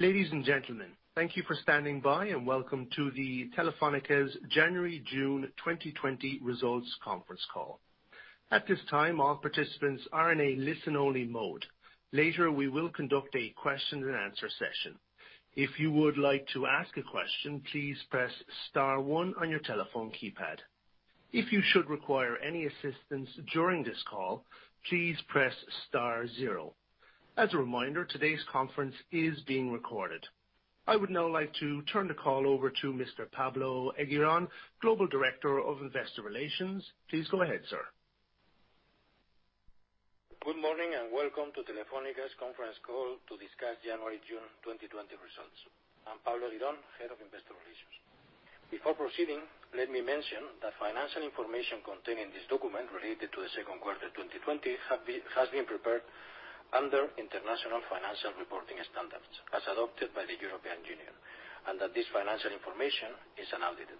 Ladies and gentlemen, thank you for standing by, and Welcome to the Telefónica's January, June 2020 results conference call. At this time, all participants are in a listen-only mode. Later, we will conduct a question-and-answer session. If you would like to ask a question, please press star one on your telephone keypad. If you should require any assistance during this call, please press star zero. As a reminder, today's conference is being recorded. I would now like to turn the call over to Mr. Pablo Eguirón, Global Director of Investor Relations. Please go ahead, sir. Good morning, and Welcome to Telefónica's conference call to discuss January, June 2020 results. I'm Pablo Eguirón, Head of Investor Relations. Before proceeding, let me mention that financial information contained in this document related to the second quarter of 2020 has been prepared under International Financial Reporting Standards as adopted by the European Union, and that this financial information is unaudited.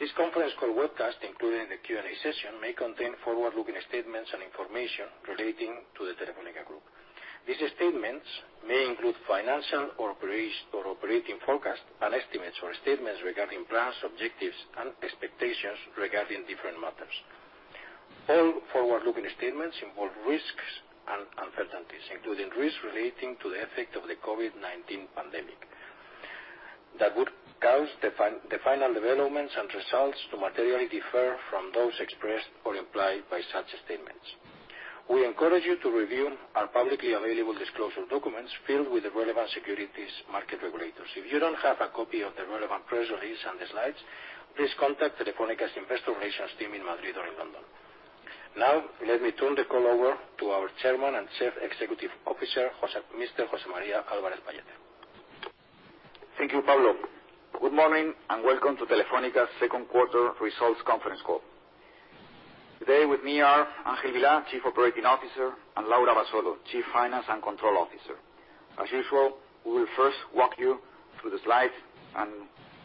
This conference call webcast, including the Q&A session, may contain forward-looking statements and information relating to the Telefónica Group. These statements may include financial or operating forecasts and estimates or statements regarding plans, objectives, and expectations regarding different matters. All forward-looking statements involve risks and uncertainties, including risks relating to the effect of the COVID-19 pandemic that would cause the final developments and results to materially differ from those expressed or implied by such statements. We encourage you to review our publicly available disclosure documents filed with the relevant securities market regulators. If you don't have a copy of the relevant press release and the slides, please contact Telefónica's Investor Relations team in Madrid or in London. Now, let me turn the call over to our Chairman and Chief Executive Officer, Mr. José María Álvarez-Pallete. Thank you, Pablo. Good morning, and welcome to Telefónica's second quarter results conference call. Today with me are Ángel Vilá, Chief Operating Officer, and Laura Abasolo, Chief Finance and Control Officer. As usual, we will first walk you through the slides, and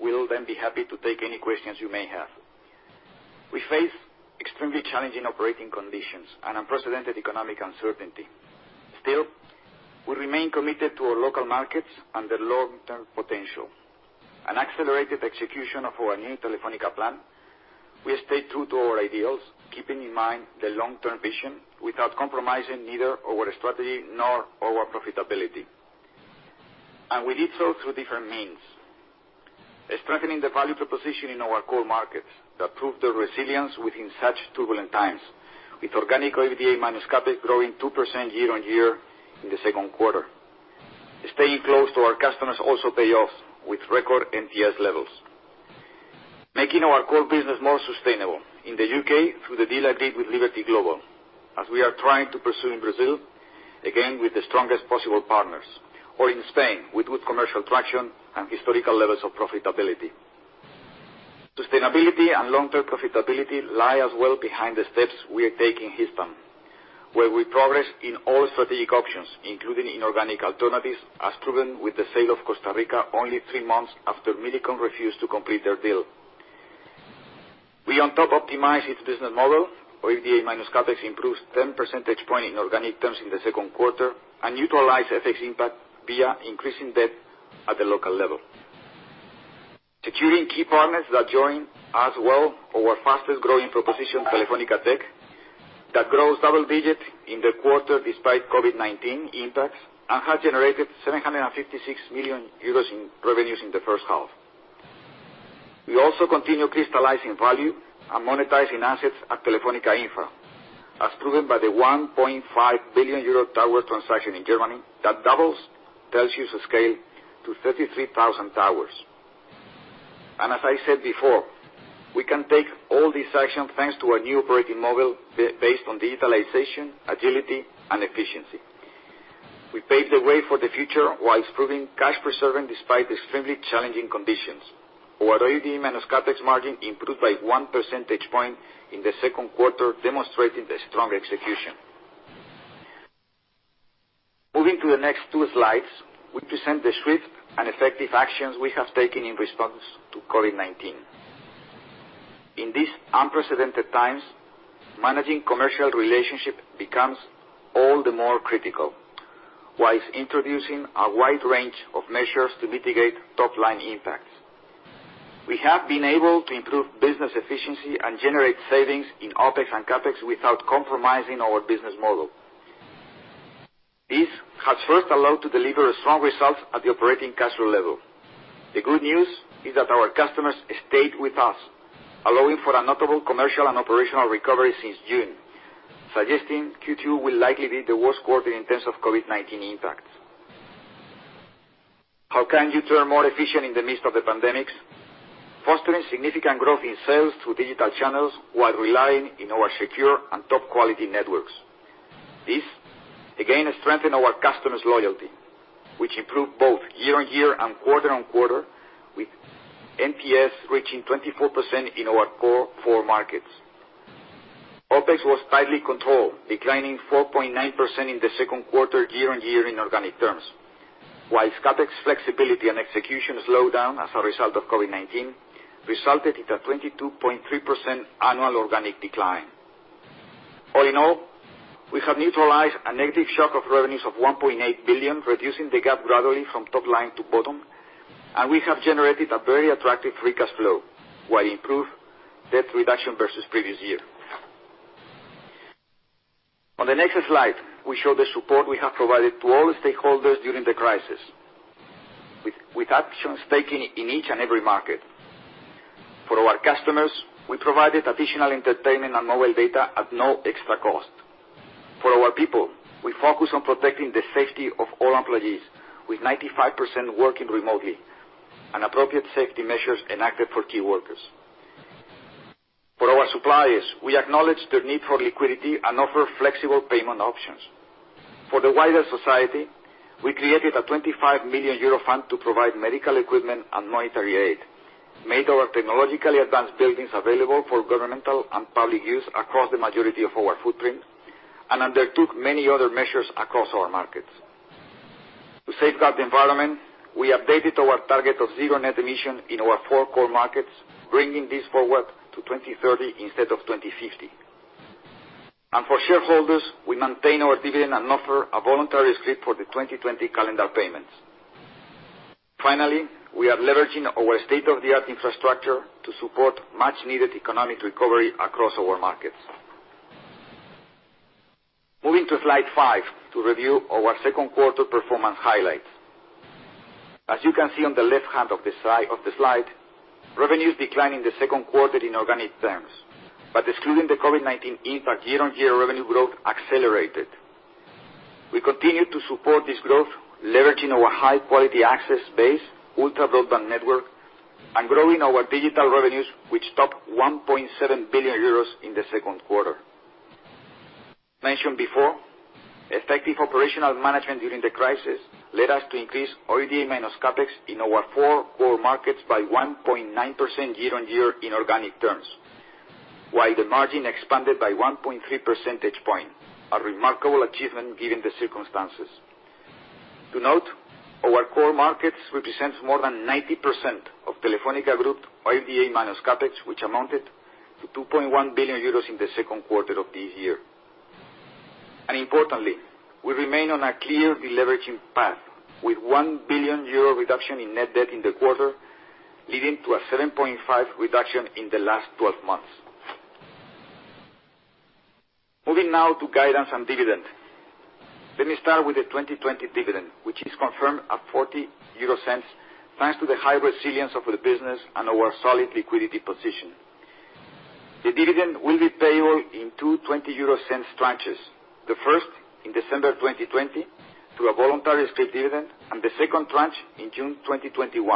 we will then be happy to take any questions you may have. We face extremely challenging operating conditions and unprecedented economic uncertainty. Still, we remain committed to our local markets and their long-term potential. An accelerated execution of our new Telefónica plan, we stay true to our ideals, keeping in mind the long-term vision without compromising neither our strategy nor our profitability. We did so through different means. Strengthening the value proposition in our core markets that proved their resilience within such turbulent times, with organic OIBDA minus CapEx growing 2% year-on-year in the second quarter. Staying close to our customers also pays off with record NPS levels. Making our core business more sustainable in the U.K. through the deal I did with Liberty Global, as we are trying to pursue in Brazil, again, with the strongest possible partners, or in Spain, with good commercial traction and historical levels of profitability. Sustainability and long-term profitability lie as well behind the steps we are taking Telefónica Hispam, where we progress in all strategic options, including inorganic alternatives, as proven with the sale of Costa Rica only three months after Millicom refused to complete their deal. We on top optimize its business model, where OIBDA minus CapEx improves 10 percentage point in organic terms in the second quarter and neutralize FX impact via increasing debt at the local level. Securing key partners that join as well our fastest-growing proposition, Telefónica Tech, that grows double digits in the quarter despite COVID-19 impacts and has generated 756 million euros in revenues in the first half. We also continue crystallizing value and monetizing assets at Telefónica Infra, as proven by the 1.5 billion euro tower transaction in Germany that doubles Telxius scale to 33,000 towers. As I said before, we can take all these actions thanks to our new operating model based on digitalization, agility, and efficiency. We paved the way for the future while proving cash preserving despite extremely challenging conditions. Our OIBDA minus CapEx margin improved by one percentage point in the second quarter, demonstrating the strong execution. Moving to the next two slides, we present the swift and effective actions we have taken in response to COVID-19. In these unprecedented times, managing commercial relationship becomes all the more critical whilst introducing a wide range of measures to mitigate top-line impacts. We have been able to improve business efficiency and generate savings in OpEx and CapEx without compromising our business model. This has first allowed to deliver strong results at the operating cash flow level. The good news is that our customers stayed with us, allowing for a notable commercial and operational recovery since June, suggesting Q2 will likely be the worst quarter in terms of COVID-19 impacts. How can you turn more efficient in the midst of the pandemics? Fostering significant growth in sales through digital channels while relying on our secure and top-quality networks. This again strengthened our customers' loyalty, which improved both year-on-year and quarter-on-quarter, with NPS reaching 24% in our core four markets. OpEx was tightly controlled, declining 4.9% in the second quarter year-on-year in organic terms. While CapEx flexibility and execution slowed down as a result of COVID-19, resulting in a 22.3% annual organic decline. All in all, we have neutralized a negative shock of revenues of 1.8 billion, reducing the gap gradually from top line to bottom, and we have generated a very attractive free cash flow, while improved debt reduction versus previous year. On the next slide, we show the support we have provided to all stakeholders during the crisis, with actions taken in each and every market. For our customers, we provided additional entertainment and mobile data at no extra cost. For our people, we focus on protecting the safety of all employees, with 95% working remotely and appropriate safety measures enacted for key workers. For our suppliers, we acknowledge the need for liquidity and offer flexible payment options. For the wider society, we created a 25 million euro fund to provide medical equipment and monetary aid, made our technologically advanced buildings available for governmental and public use across the majority of our footprints, and undertook many other measures across our markets. To safeguard the environment, we updated our target of zero net emission in our four core markets, bringing this forward to 2030 instead of 2050. For shareholders, we maintain our dividend and offer a voluntary scrip for the 2020 calendar payments. Finally, we are leveraging our state-of-the-art infrastructure to support much needed economic recovery across our markets. Moving to slide five to review our second quarter performance highlights. As you can see on the left hand of the slide, revenues decline in the second quarter in organic terms. Excluding the COVID-19 impact, year-on-year revenue growth accelerated. We continue to support this growth, leveraging our high-quality access base, ultra broadband network, and growing our digital revenues, which topped 1.7 billion euros in the second quarter. Mentioned before, effective operational management during the crisis led us to increase OIBDA minus CapEx in our four core markets by 1.9% year-on-year in organic terms, while the margin expanded by 1.3 percentage point, a remarkable achievement given the circumstances. To note, our core markets represents more than 90% of Telefónica Group OIBDA minus CapEx, which amounted to 2.1 billion euros in the second quarter of this year. Importantly, we remain on a clear deleveraging path, with 1 billion euro reduction in net debt in the quarter, leading to a 7.5% reduction in the last 12 months. Moving now to guidance and dividend. Let me start with the 2020 dividend, which is confirmed at 0.40, thanks to the high resilience of the business and our solid liquidity position. The dividend will be payable in two EUR 0.20 tranches, the first in December 2020 through a voluntary scrip dividend, and the second tranche in June 2021.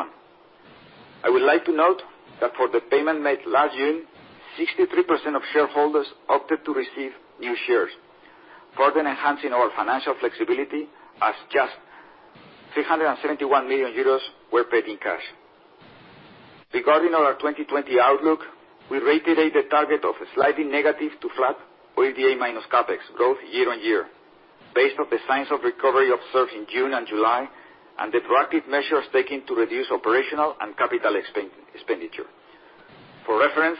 I would like to note that for the payment made last June, 63% of shareholders opted to receive new shares, further enhancing our financial flexibility, as just 371 million euros were paid in cash. Regarding our 2020 outlook, we reiterate the target of slightly negative to flat OIBDA minus CapEx growth year-over-year, based on the signs of recovery observed in June and July, and the proactive measures taken to reduce operational and capital expenditure. For reference,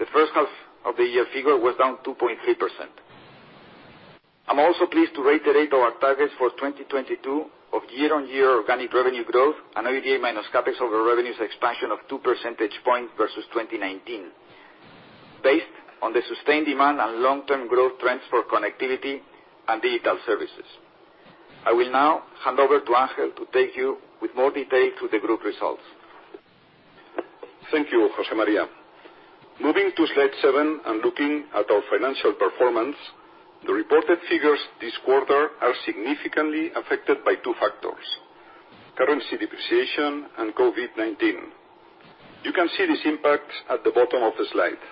the first half of the year figure was down 2.3%. I'm also pleased to reiterate our targets for 2022 of year-on-year organic revenue growth and OIBDA minus CapEx over revenues expansion of 2 percentage points versus 2019, based on the sustained demand and long-term growth trends for connectivity and digital services. I will now hand over to Ángel to take you with more detail through the group results. Thank you, José María. Looking at slide seven and our financial performance, the reported figures this quarter are significantly affected by two factors: currency depreciation and COVID-19. You can see these impacts at the bottom of the slide,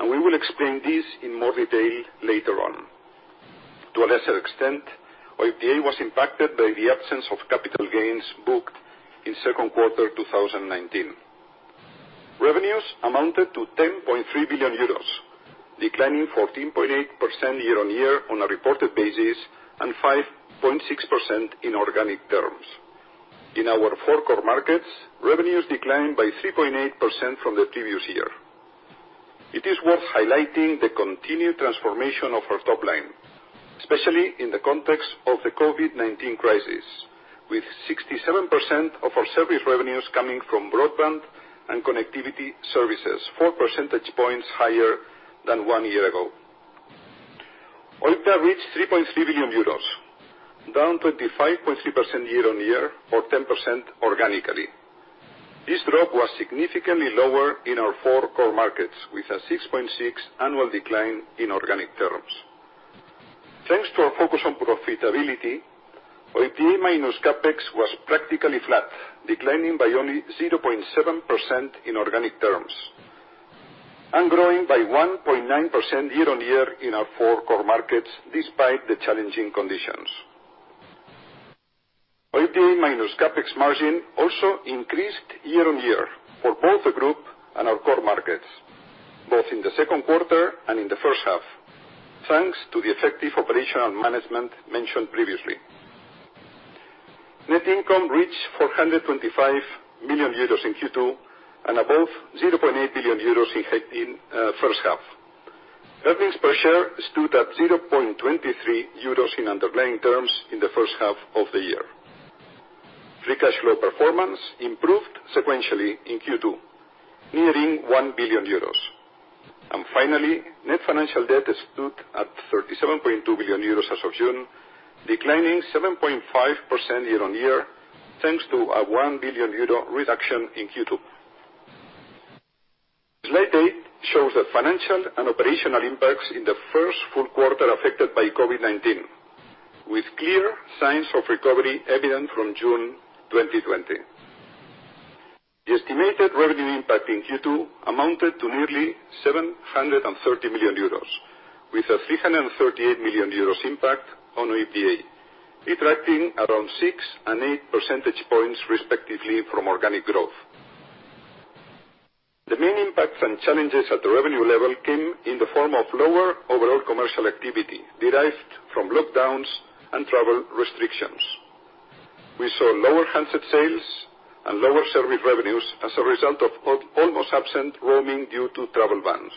and we will explain this in more detail later on. To a lesser extent, OIBDA was impacted by the absence of capital gains booked in second quarter 2019. Revenues amounted to 10.3 billion euros, declining 14.8% year-on-year on a reported basis and 5.6% in organic terms. In our four core markets, revenues declined by 3.8% from the previous year. It is worth highlighting the continued transformation of our top line, especially in the context of the COVID-19 crisis, with 67% of our service revenues coming from broadband and connectivity services, four percentage points higher than one year ago. OIBDA reached EUR 3.3 billion, down 25.3% year-on-year or 10% organically. This drop was significantly lower in our four core markets, with a 6.6 annual decline in organic terms. Thanks to our focus on profitability, OIBDA minus CapEx was practically flat, declining by only 0.7% in organic terms, and growing by 1.9% year-on-year in our four core markets, despite the challenging conditions. OIBDA minus CapEx margin also increased year-on-year for both the group and our core markets, both in the second quarter and in the first half, thanks to the effective operational management mentioned previously. Net income reached 425 million euros in Q2 and above 0.8 billion euros in first half. Earnings per share stood at 0.23 euros in underlying terms in the first half of the year. Free cash flow performance improved sequentially in Q2, nearing 1 billion euros. Finally, net financial debt stood at 37.2 billion euros as of June, declining 7.5% year-on-year, thanks to a 1 billion euro reduction in Q2. Slide eight shows the financial and operational impacts in the first full quarter affected by COVID-19, with clear signs of recovery evident from June 2020. The estimated revenue impact in Q2 amounted to nearly 730 million euros, with a 338 million euros impact on OIBDA, retracting around six and eight percentage points, respectively, from organic growth. The main impacts and challenges at the revenue level came in the form of lower overall commercial activity derived from lockdowns and travel restrictions. We saw lower handset sales and lower service revenues as a result of almost absent roaming due to travel bans.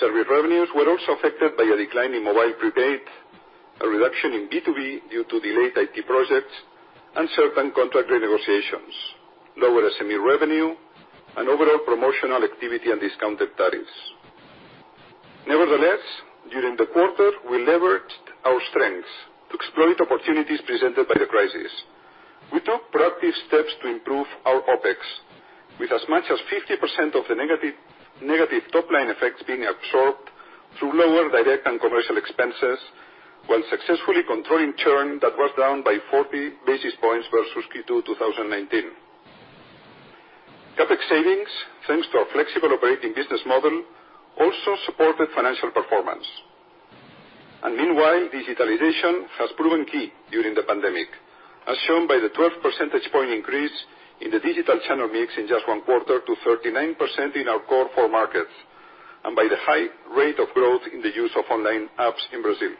Service revenues were also affected by a decline in mobile prepaid, a reduction in B2B due to delayed IT projects and certain contract renegotiations, lower SME revenue, and overall promotional activity and discounted tariffs. Nevertheless, during the quarter, we leveraged our strengths to exploit opportunities presented by the crisis. We took proactive steps to improve our OpEx, with as much as 50% of the negative top-line effects being absorbed through lower direct and commercial expenses while successfully controlling churn that was down by 40 basis points versus Q2 2019. CapEx savings, thanks to our flexible operating business model, also supported financial performance. Meanwhile, digitalization has proven key during the pandemic, as shown by the 12 percentage point increase in the digital channel mix in just one quarter to 39% in our core four markets, and by the high rate of growth in the use of online apps in Brazil.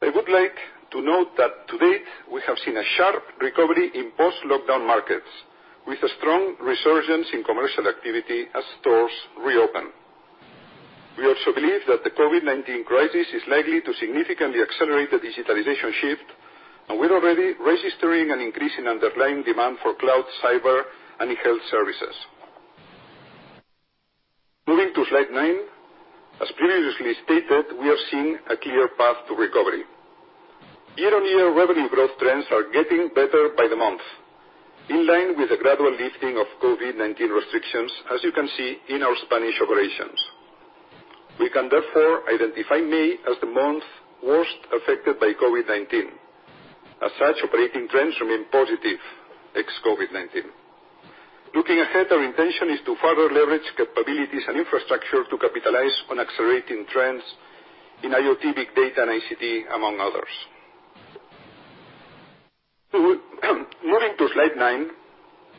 I would like to note that to date, we have seen a sharp recovery in post-lockdown markets, with a strong resurgence in commercial activity as stores reopen. We also believe that the COVID-19 crisis is likely to significantly accelerate the digitalization shift, and we're already registering an increase in underlying demand for cloud, cyber, and e-health services. Moving to slide nine. As previously stated, we are seeing a clear path to recovery. Year-on-year revenue growth trends are getting better by the month, in line with the gradual lifting of COVID-19 restrictions, as you can see in our Spanish operations. We can therefore identify May as the month worst affected by COVID-19. As such, operating trends remain positive ex-COVID-19. Looking ahead, our intention is to further leverage capabilities and infrastructure to capitalize on accelerating trends in IoT, big data, and ICT, among others. Moving to Slide nine,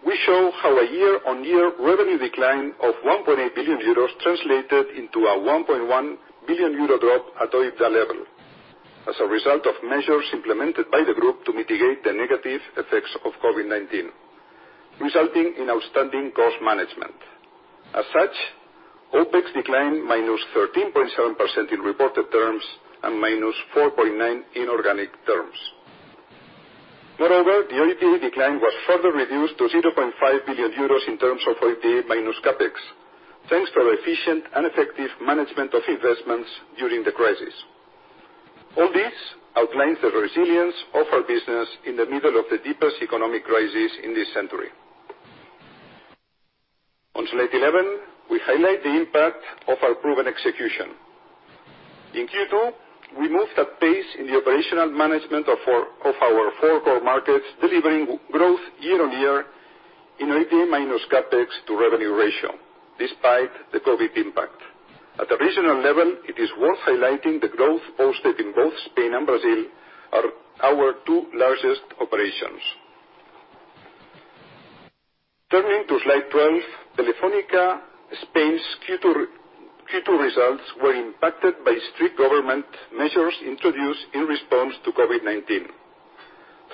we show how a year-on-year revenue decline of 1.8 billion euros translated into a 1.1 billion euro drop at OIBDA level as a result of measures implemented by the group to mitigate the negative effects of COVID-19, resulting in outstanding cost management. As such, OpEx declined -13.7% in reported terms and -4.9% in organic terms. Moreover, the OIBDA decline was further reduced to 0.5 billion euros in terms of OIBDA minus CapEx, thanks to our efficient and effective management of investments during the crisis. All this outlines the resilience of our business in the middle of the deepest economic crisis in this century. On Slide 11, we highlight the impact of our proven execution. In Q2, we moved at pace in the operational management of our four core markets, delivering growth year-on-year in OIBDA minus CapEx to revenue ratio, despite the COVID impact. At the regional level, it is worth highlighting the growth posted in both Spain and Brazil are our two largest operations. Turning to Slide 12, Telefónica Spain's Q2 results were impacted by strict government measures introduced in response to COVID-19.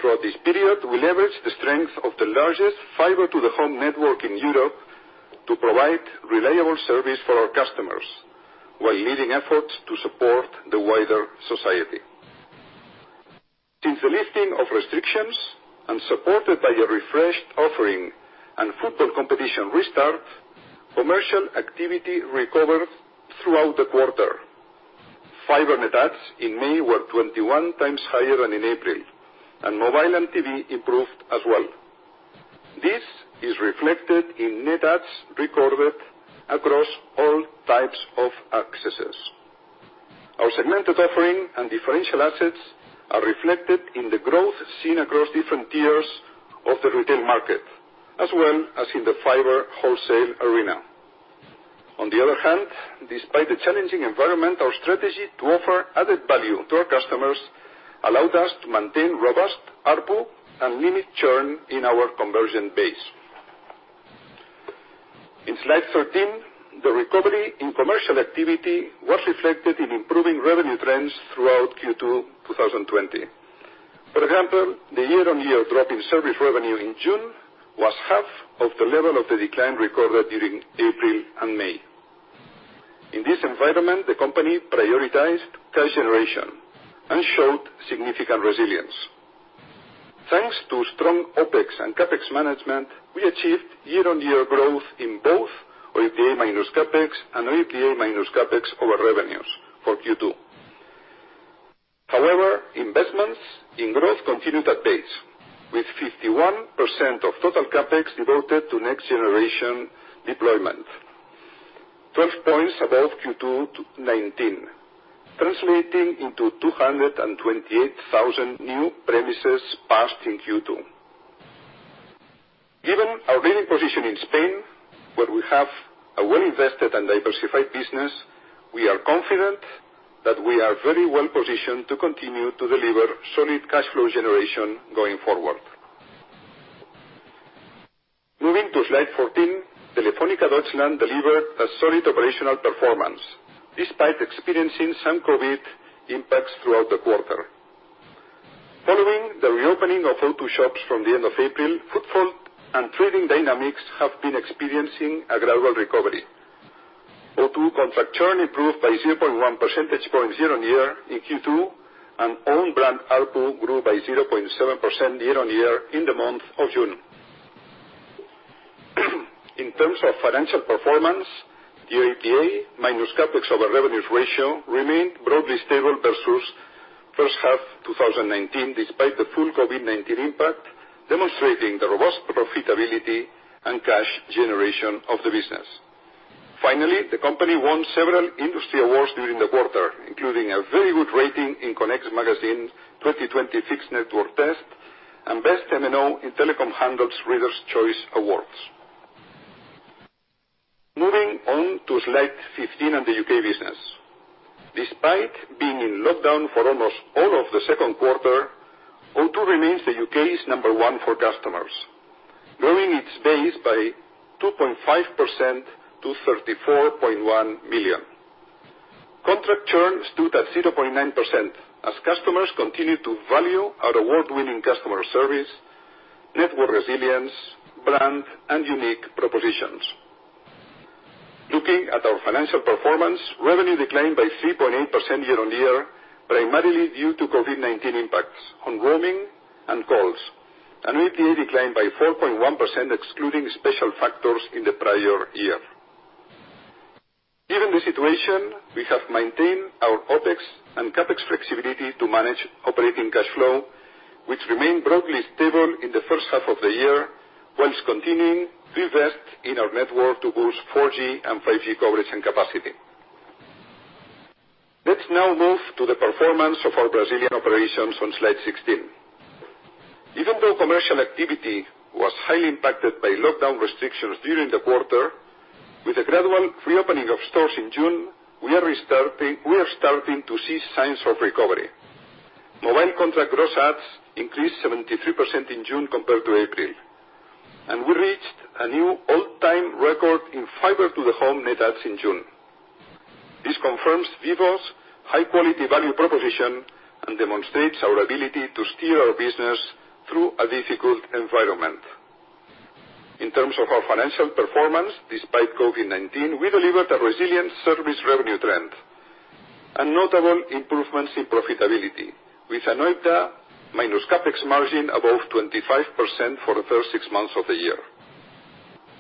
Throughout this period, we leveraged the strength of the largest fiber-to-the-home network in Europe to provide reliable service for our customers while leading efforts to support the wider society. Since the lifting of restrictions and supported by a refreshed offering and football competition restart, commercial activity recovered throughout the quarter. Fiber net adds in May were 21x higher than in April. Mobile and TV improved as well. This is reflected in net adds recorded across all types of accesses. Our segmented offering and differential assets are reflected in the growth seen across different tiers of the retail market, as well as in the fiber wholesale arena. On the other hand, despite the challenging environment, our strategy to offer added value to our customers allowed us to maintain robust ARPU and limit churn in our conversion base. In slide 13, the recovery in commercial activity was reflected in improving revenue trends throughout Q2 2020. For example, the year-on-year drop in service revenue in June was half of the level of the decline recorded during April and May. In this environment, the company prioritized cash generation and showed significant resilience. Thanks to strong OpEx and CapEx management, we achieved year-on-year growth in both OIBDA minus CapEx and OIBDA minus CapEx over revenues for Q2. However, investments in growth continued at pace, with 51% of total CapEx devoted to next-generation deployment, 12 points above Q2 2019, translating into 228,000 new premises passed in Q2. Given our leading position in Spain, where we have a well-invested and diversified business, we are confident that we are very well positioned to continue to deliver solid cash flow generation going forward. Moving to slide 14, Telefónica Deutschland delivered a solid operational performance despite experiencing some COVID impacts throughout the quarter. Following the reopening of O2 shops from the end of April, footfall and trading dynamics have been experiencing a gradual recovery. O2 contract churn improved by 0.1 percentage points year-on-year in Q2, and own brand ARPU grew by 0.7% year-on-year in the month of June. In terms of financial performance, the OIBDA minus CapEx over revenues ratio remained broadly stable versus first half 2019 despite the full COVID-19 impact, demonstrating the robust profitability and cash generation of the business. Finally, the company won several industry awards during the quarter, including a very good rating in connect Magazine's 2020 fixed network test and Best MNO in Telecoms.com Readers' Choice Awards. Moving on to slide 15 and the U.K. business. Despite being in lockdown for almost all of the second quarter, O2 remains the U.K.'s number one for customers, growing its base by 2.5% to 34.1 million. Contract churn stood at 0.9% as customers continue to value our award-winning customer service, network resilience, brand, and unique propositions. Looking at our financial performance, revenue declined by 3.8% year-on-year, primarily due to COVID-19 impacts on roaming and calls, and OIBDA declined by 4.1%, excluding special factors in the prior year. Given the situation, we have maintained our OpEx and CapEx flexibility to manage operating cash flow, which remained broadly stable in the first half of the year, whilst continuing to invest in our network to boost 4G and 5G coverage and capacity. Let's now move to the performance of our Brazilian operations on slide 16. Even though commercial activity was highly impacted by lockdown restrictions during the quarter, with the gradual reopening of stores in June, we are starting to see signs of recovery. Mobile contract gross adds increased 73% in June compared to April, and we reached a new all-time record in fiber-to-the-home net adds in June. This confirms Vivo's high-quality value proposition and demonstrates our ability to steer our business through a difficult environment. In terms of our financial performance, despite COVID-19, we delivered a resilient service revenue trend and notable improvements in profitability, with an OIBDA minus CapEx margin above 25% for the first six months of the year.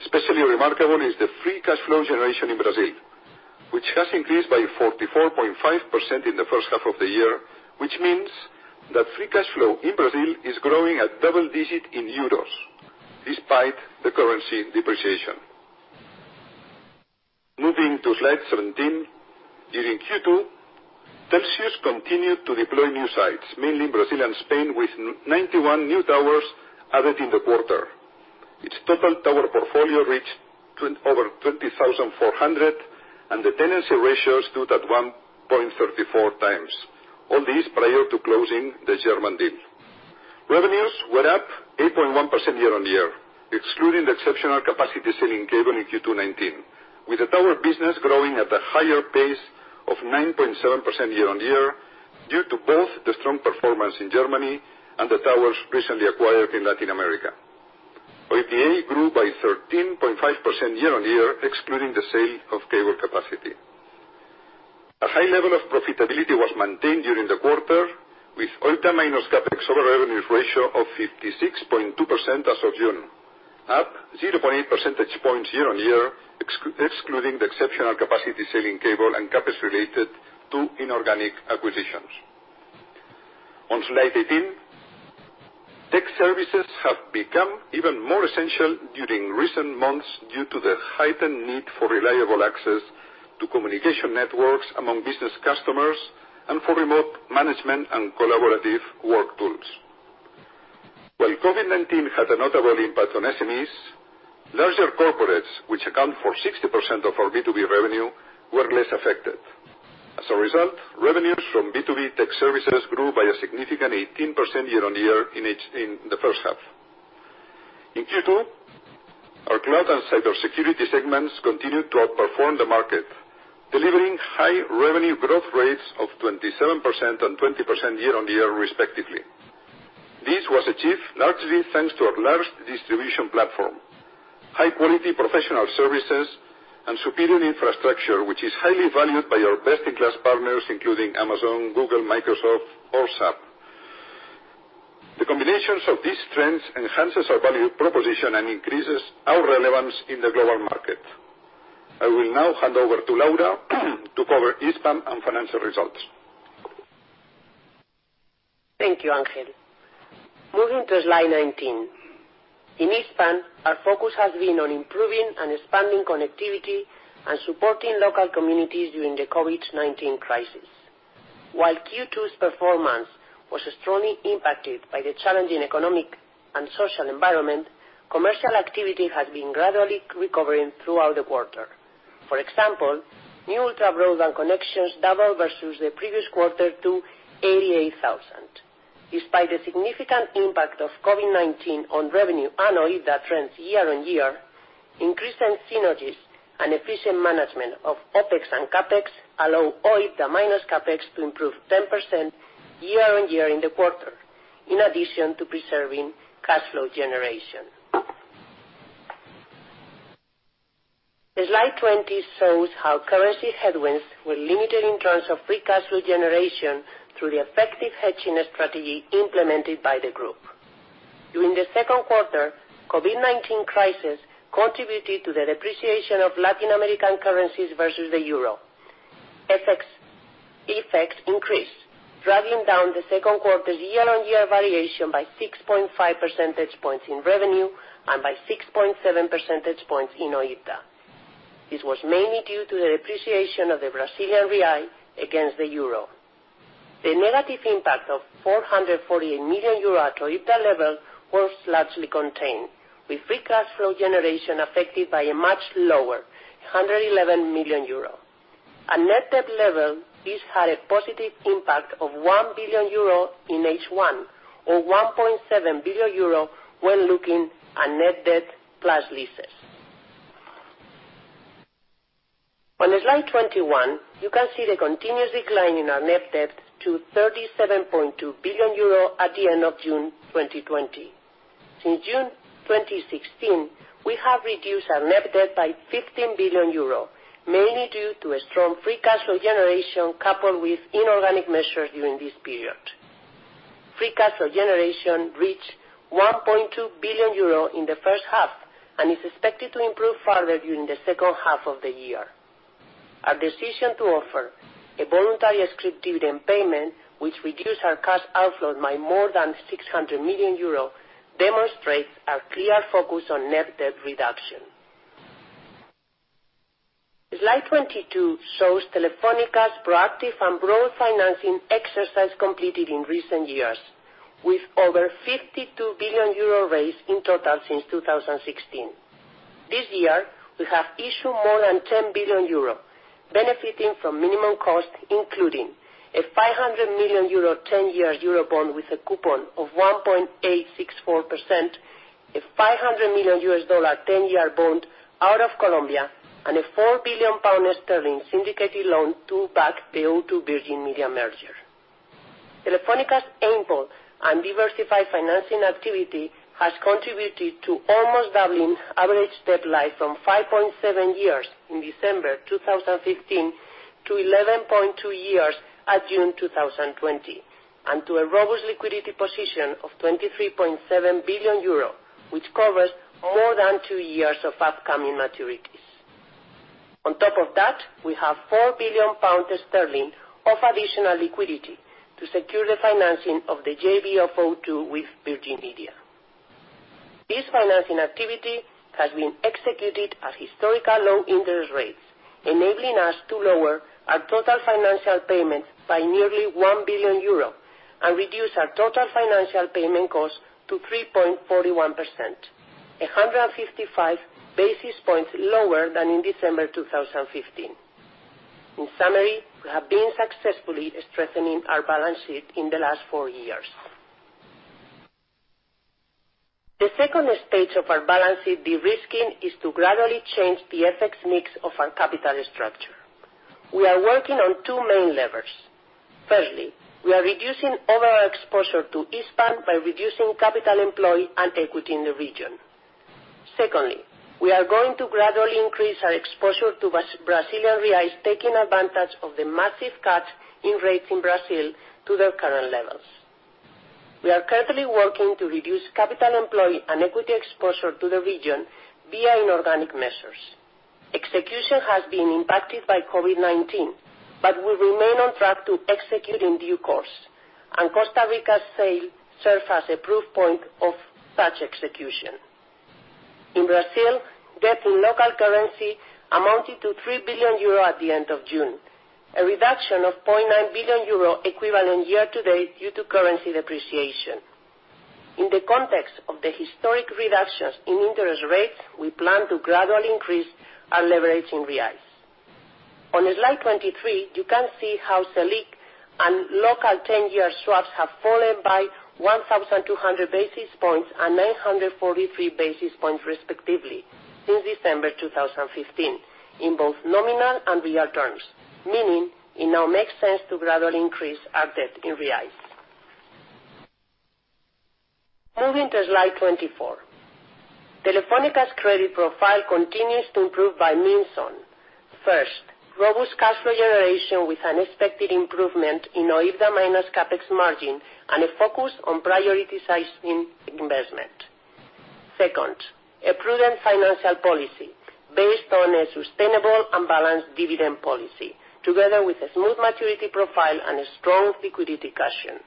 Especially remarkable is the free cash flow generation in Brazil, which has increased by 44.5% in the first half of the year, which means that free cash flow in Brazil is growing at double-digit in EUR despite the currency depreciation. Moving to slide 17. During Q2, Telxius continued to deploy new sites, mainly in Brazil and Spain, with 91 new towers added in the quarter. Its total tower portfolio reached over 20,400, and the tenancy ratio stood at 1.34x. All this prior to closing the German deal. Revenues were up 8.1% year-on-year, excluding the exceptional capacity sale in cable in Q2 2019, with the tower business growing at a higher pace of 9.7% year-on-year due to both the strong performance in Germany and the towers recently acquired in Latin America. OIBDA grew by 13.5% year-on-year, excluding the sale of cable capacity. A high level of profitability was maintained during the quarter, with OIBDA minus CapEx over revenues ratio of 56.2% as of June, up 0.8 percentage points year-on-year, excluding the exceptional capacity sale in cable and CapEx related to inorganic acquisitions. On slide 18, tech services have become even more essential during recent months due to the heightened need for reliable access to communication networks among business customers and for remote management and collaborative work tools. While COVID-19 had a notable impact on SMEs, larger corporates, which account for 60% of our B2B revenue, were less affected. Revenues from B2B tech services grew by a significant 18% year-on-year in the first half. In Q2, our cloud and cybersecurity segments continued to outperform the market, delivering high revenue growth rates of 27% and 20% year-on-year respectively. This was achieved largely thanks to our large distribution platform, high-quality professional services, and superior infrastructure, which is highly valued by our best-in-class partners, including Amazon, Google, Microsoft, or SAP. The combinations of these trends enhances our value proposition and increases our relevance in the global market. I will now hand over to Laura to cover Hispam and financial results. Thank you, Ángel. Moving to slide 19. In Hispam, our focus has been on improving and expanding connectivity and supporting local communities during the COVID-19 crisis. While Q2's performance was strongly impacted by the challenging economic and social environment, commercial activity has been gradually recovering throughout the quarter. For example, new ultra broadband connections doubled versus the previous quarter to 88,000. Despite the significant impact of COVID-19 on revenue and OIBDA trends year-on-year, increasing synergies and efficient management of OpEx and CapEx allow OIBDA minus CapEx to improve 10% year-on-year in the quarter, in addition to preserving cash flow generation. Slide 20 shows how currency headwinds were limited in terms of free cash flow generation through the effective hedging strategy implemented by the group. During the second quarter, COVID-19 crisis contributed to the depreciation of Latin American currencies versus the EUR. FX effects increased, dragging down the second quarter's year-on-year valuation by 6.5 percentage points in revenue and by 6.7 percentage points in OIBDA. This was mainly due to the depreciation of the Brazilian real against the euro. The negative impact of 448 million euro at OIBDA level was largely contained, with free cash flow generation affected by a much lower 111 million euro. At net debt level, this had a positive impact of 1 billion euro in H1, or 1.7 billion euro when looking at net debt plus leases. On slide 21, you can see the continuous decline in our net debt to 37.2 billion euro at the end of June 2020. Since June 2016, we have reduced our net debt by 15 billion euros, mainly due to a strong free cash flow generation coupled with inorganic measures during this period. Free cash flow generation reached 1.2 billion euro in the first half and is expected to improve further during the second half of the year. Our decision to offer a voluntary scrip dividend payment, which reduced our cash outflow by more than 600 million euros, demonstrates our clear focus on net debt reduction. Slide 22 shows Telefónica's proactive and broad financing exercise completed in recent years, with over 52 billion euro raised in total since 2016. This year, we have issued more than 10 billion euro, benefiting from minimum cost, including a 500 million euro 10-year euro bond with a coupon of 1.864%, a $500 million 10-year bond out of Colombia, and a 4 billion pound sterling syndicated loan to back the O2 Virgin Media merger. Telefónica's ample and diversified financing activity has contributed to almost doubling average debt life from 5.7 years in December 2015 to 11.2 years at June 2020, and to a robust liquidity position of 23.7 billion euro, which covers more than two years of upcoming maturities. On top of that, we have 4 billion pounds of additional liquidity to secure the financing of the JV of O2 with Virgin Media. This financing activity has been executed at historical low interest rates, enabling us to lower our total financial payments by nearly 1 billion euro and reduce our total financial payment cost to 3.41%, 155 basis points lower than in December 2015. In summary, we have been successfully strengthening our balance sheet in the last four years. The second stage of our balance sheet de-risking is to gradually change the FX mix of our capital structure. We are working on two main levers. Firstly, we are reducing overall exposure to Hispam by reducing capital employed and equity in the region. Secondly, we are going to gradually increase our exposure to Brazilian reais, taking advantage of the massive cut in rates in Brazil to their current levels. We are currently working to reduce capital employed and equity exposure to the region via inorganic measures. Execution has been impacted by COVID-19, but we remain on track to execute in due course, and Costa Rica's sale serves as a proof point of such execution. In Brazil, debt in local currency amounted to 3 billion euro at the end of June, a reduction of 0.9 billion euro equivalent year-to-date due to currency depreciation. In the context of the historic reductions in interest rates, we plan to gradually increase our leverage in reais. On slide 23, you can see how Selic and local 10-year swaps have fallen by 1,200 basis points and 943 basis points respectively since December 2015 in both nominal and real terms, meaning it now makes sense to gradually increase our debt in reais. Moving to slide 24. Telefónica's credit profile continues to improve by means on, first, robust cash flow generation with an expected improvement in OIBDA minus CapEx margin and a focus on prioritizing investment. Second, a prudent financial policy based on a sustainable and balanced dividend policy, together with a smooth maturity profile and a strong liquidity cushion.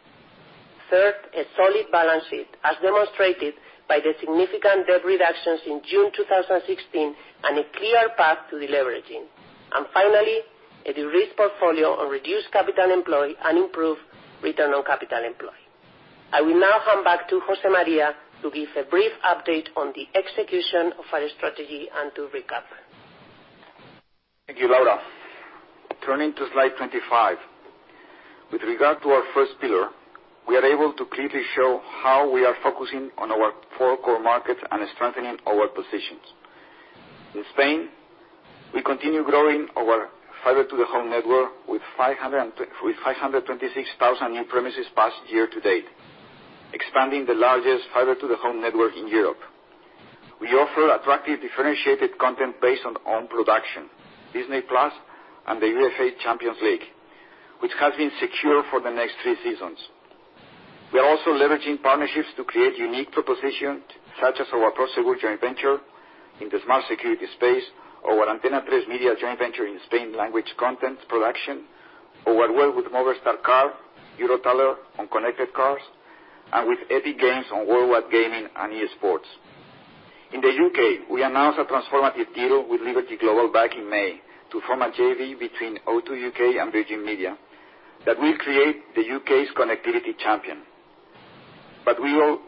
Third, a solid balance sheet, as demonstrated by the significant debt reductions in June 2016 and a clear path to deleveraging. Finally, a de-risked portfolio on reduced capital employed and improved return on capital employed. I will now hand back to José María to give a brief update on the execution of our strategy and to recap. Thank you, Laura. Turning to slide 25. With regard to our first pillar, we are able to clearly show how we are focusing on our four core markets and strengthening our positions. In Spain, we continue growing our fiber-to-the-home network with 526,000 new premises passed year to date, expanding the largest fiber-to-the-home network in Europe. We offer attractive differentiated content based on own production, Disney+ and the UEFA Champions League, which has been secure for the next three seasons. We are also leveraging partnerships to create unique propositions such as our Prosegur joint venture in the smart security space, our Atresmedia joint venture in Spain language content production, our work with Movistar Car, EuroTaller on connected cars, and with Epic Games on worldwide gaming and e-sports. In the U.K., we announced a transformative deal with Liberty Global back in May to form a JV between O2 UK and Virgin Media that will create the U.K.'s connectivity champion. We will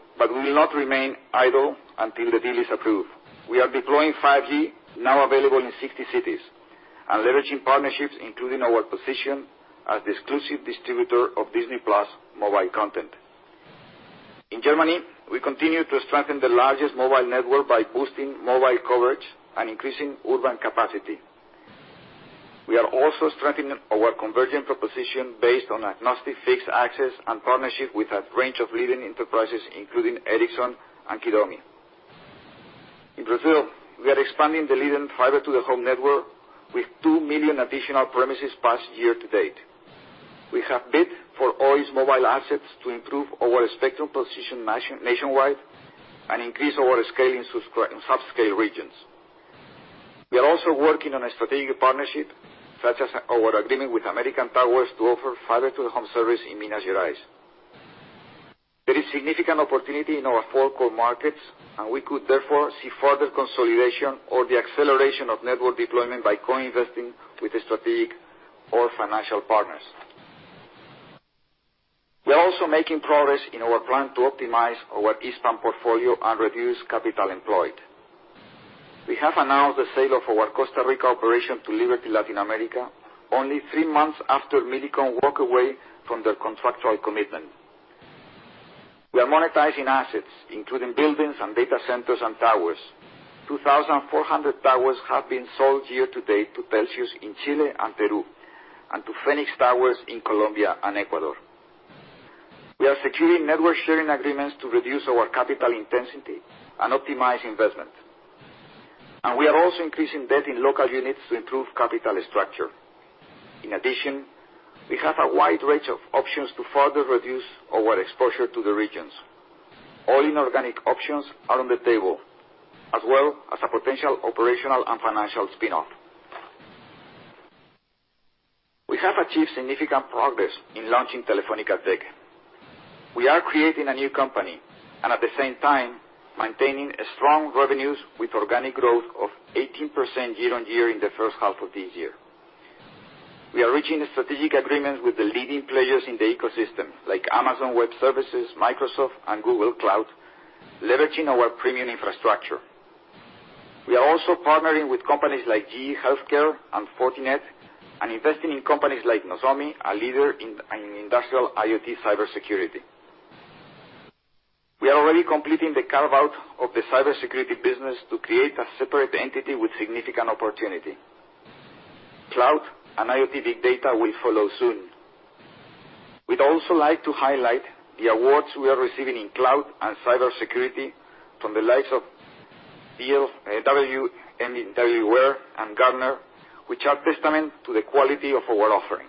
not remain idle until the deal is approved. We are deploying 5G, now available in 60 cities, and leveraging partnerships, including our position as the exclusive distributor of Disney+ mobile content. In Germany, we continue to strengthen the largest mobile network by boosting mobile coverage and increasing urban capacity. We are also strengthening our convergent proposition based on agnostic fixed access and partnership with a range of leading enterprises, including Ericsson and Kidomi. In Brazil, we are expanding the leading fiber-to-the-home network with 2 million additional premises passed year to date. We have bid for Oi's mobile assets to improve our spectrum position nationwide and increase our scale in subscale regions. We are also working on a strategic partnership, such as our agreement with American Tower to offer fiber-to-the-home service in Minas Gerais. There is significant opportunity in our four core markets, and we could therefore see further consolidation or the acceleration of network deployment by co-investing with strategic or financial partners. We are also making progress in our plan to optimize our Hispam portfolio and reduce capital employed. We have announced the sale of our Costa Rica operation to Liberty Latin America only three months after Millicom walked away from their contractual commitment. We are monetizing assets, including buildings and data centers and towers: 2,400 towers have been sold year to date to Telxius in Chile and Peru and to Phoenix Towers in Colombia and Ecuador. We are securing network sharing agreements to reduce our capital intensity and optimize investment. We are also increasing debt in local units to improve capital structure. In addition, we have a wide range of options to further reduce our exposure to the regions. All inorganic options are on the table, as well as a potential operational and financial spin-off. We have achieved significant progress in launching Telefónica Tech. We are creating a new company, and at the same time, maintaining strong revenues with organic growth of 18% year-on-year in the first half of this year. We are reaching strategic agreements with the leading players in the ecosystem, like Amazon Web Services, Microsoft, and Google Cloud, leveraging our premium infrastructure. We are also partnering with companies like GE Healthcare and Fortinet and investing in companies like Nozomi, a leader in industrial IoT cybersecurity. We are already completing the carve-out of the cybersecurity business to create a separate entity with significant opportunity. Cloud and IoT big data will follow soon. We'd also like to highlight the awards we are receiving in cloud and cybersecurity from the likes of WL, VMware, and Gartner, which are testament to the quality of our offering.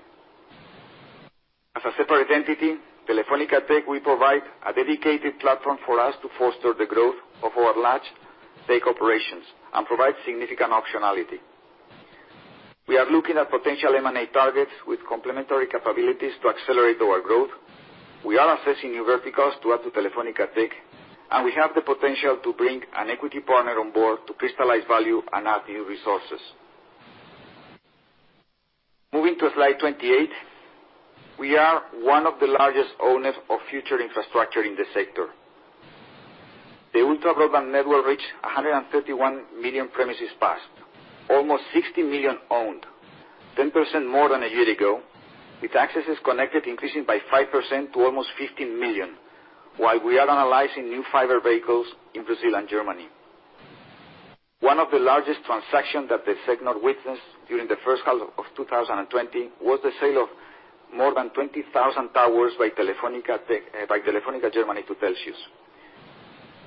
As a separate entity, Telefónica Tech will provide a dedicated platform for us to foster the growth of our large tech operations and provide significant optionality. We are looking at potential M&A targets with complementary capabilities to accelerate our growth. We are assessing new verticals to add to Telefónica Tech, and we have the potential to bring an equity partner on board to crystallize value and add new resources. Moving to slide 28. We are one of the largest owners of future infrastructure in the sector. The ultra broadband network reached 131 million premises passed. Almost 60 million owned, 10% more than a year ago, with accesses connected increasing by 5% to almost 15 million, while we are analyzing new fiber vehicles in Brazil and Germany. One of the largest transactions that the segment witnessed during the first half of 2020 was the sale of more than 20,000 towers by Telefónica Germany to Telxius.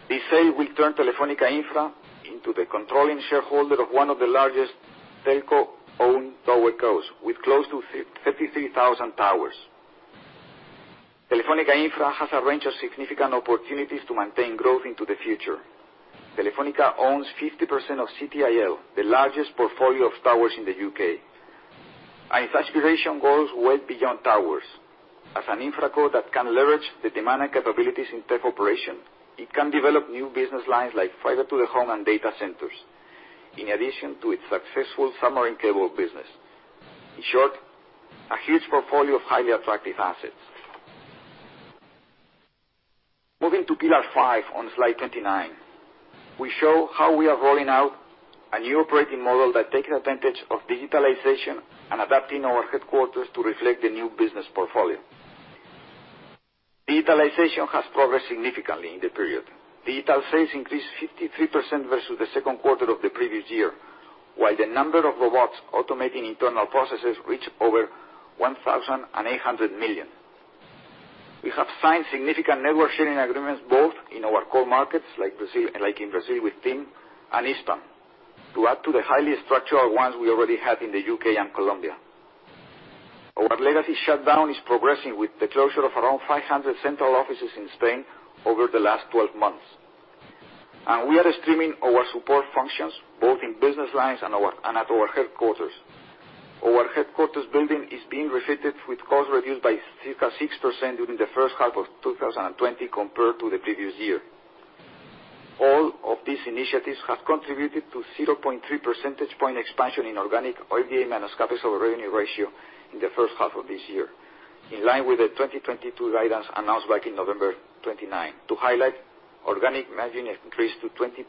This sale will turn Telefónica Infra into the controlling shareholder of one of the largest telco-owned towercos, with close to 33,000 towers. Telefónica Infra has a range of significant opportunities to maintain growth into the future. Telefónica owns 50% of CTIL, the largest portfolio of towers in the U.K. Its aspiration goes way beyond towers. As an Infra co that can leverage the demand and capabilities in tech operation, it can develop new business lines like fiber-to-the-home and data centers, in addition to its successful submarine cable business. A huge portfolio of highly attractive assets. Moving to pillar five on slide 29. We show how we are rolling out a new operating model that takes advantage of digitalization and adapting our headquarters to reflect the new business portfolio. Digitalization has progressed significantly in the period. Digital sales increased 53% versus the second quarter of the previous year, while the number of robots automating internal processes reached over 1,800 million. We have signed significant network sharing agreements, both in our core markets, like in Brazil with TIM and Hispam, to add to the highly structural ones we already had in the U.K. and Colombia. Our legacy shutdown is progressing with the closure of around 500 central offices in Spain over the last 12 months. We are streaming our support functions, both in business lines and at our headquarters. Our headquarters building is being refitted with costs reduced by 6% during the first half of 2020 compared to the previous year. All of these initiatives have contributed to 0.3 percentage point expansion in organic OIBDA minus CapEx over revenue ratio in the first half of this year, in line with the 2022 guidance announced back in November 29. To highlight, organic margin increased to 20.8%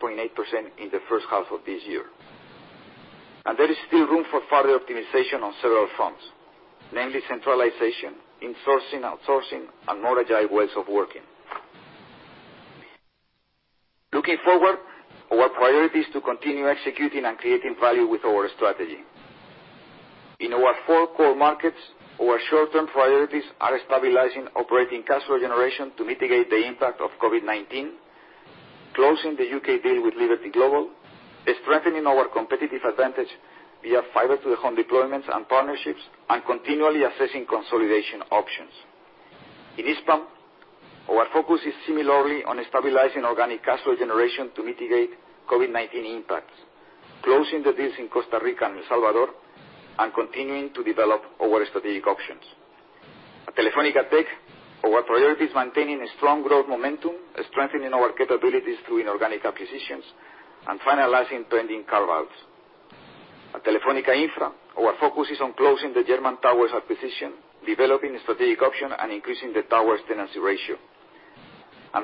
in the first half of this year. There is still room for further optimization on several fronts, namely centralization, insourcing, outsourcing, and more agile ways of working. Looking forward, our priority is to continue executing and creating value with our strategy. In our four core markets, our short-term priorities are stabilizing operating cash flow generation to mitigate the impact of COVID-19, closing the U.K. deal with Liberty Global, strengthening our competitive advantage via fiber-to-the-home deployments and partnerships, and continually assessing consolidation options. In Hispam, our focus is similarly on stabilizing organic cash flow generation to mitigate COVID-19 impacts, closing the deals in Costa Rica and El Salvador, and continuing to develop our strategic options. At Telefónica Tech, our priority is maintaining a strong growth momentum, strengthening our capabilities through inorganic acquisitions, and finalizing pending carve-outs. At Telefónica Infra, our focus is on closing the German towers acquisition, developing strategic option, and increasing the towers tenancy ratio.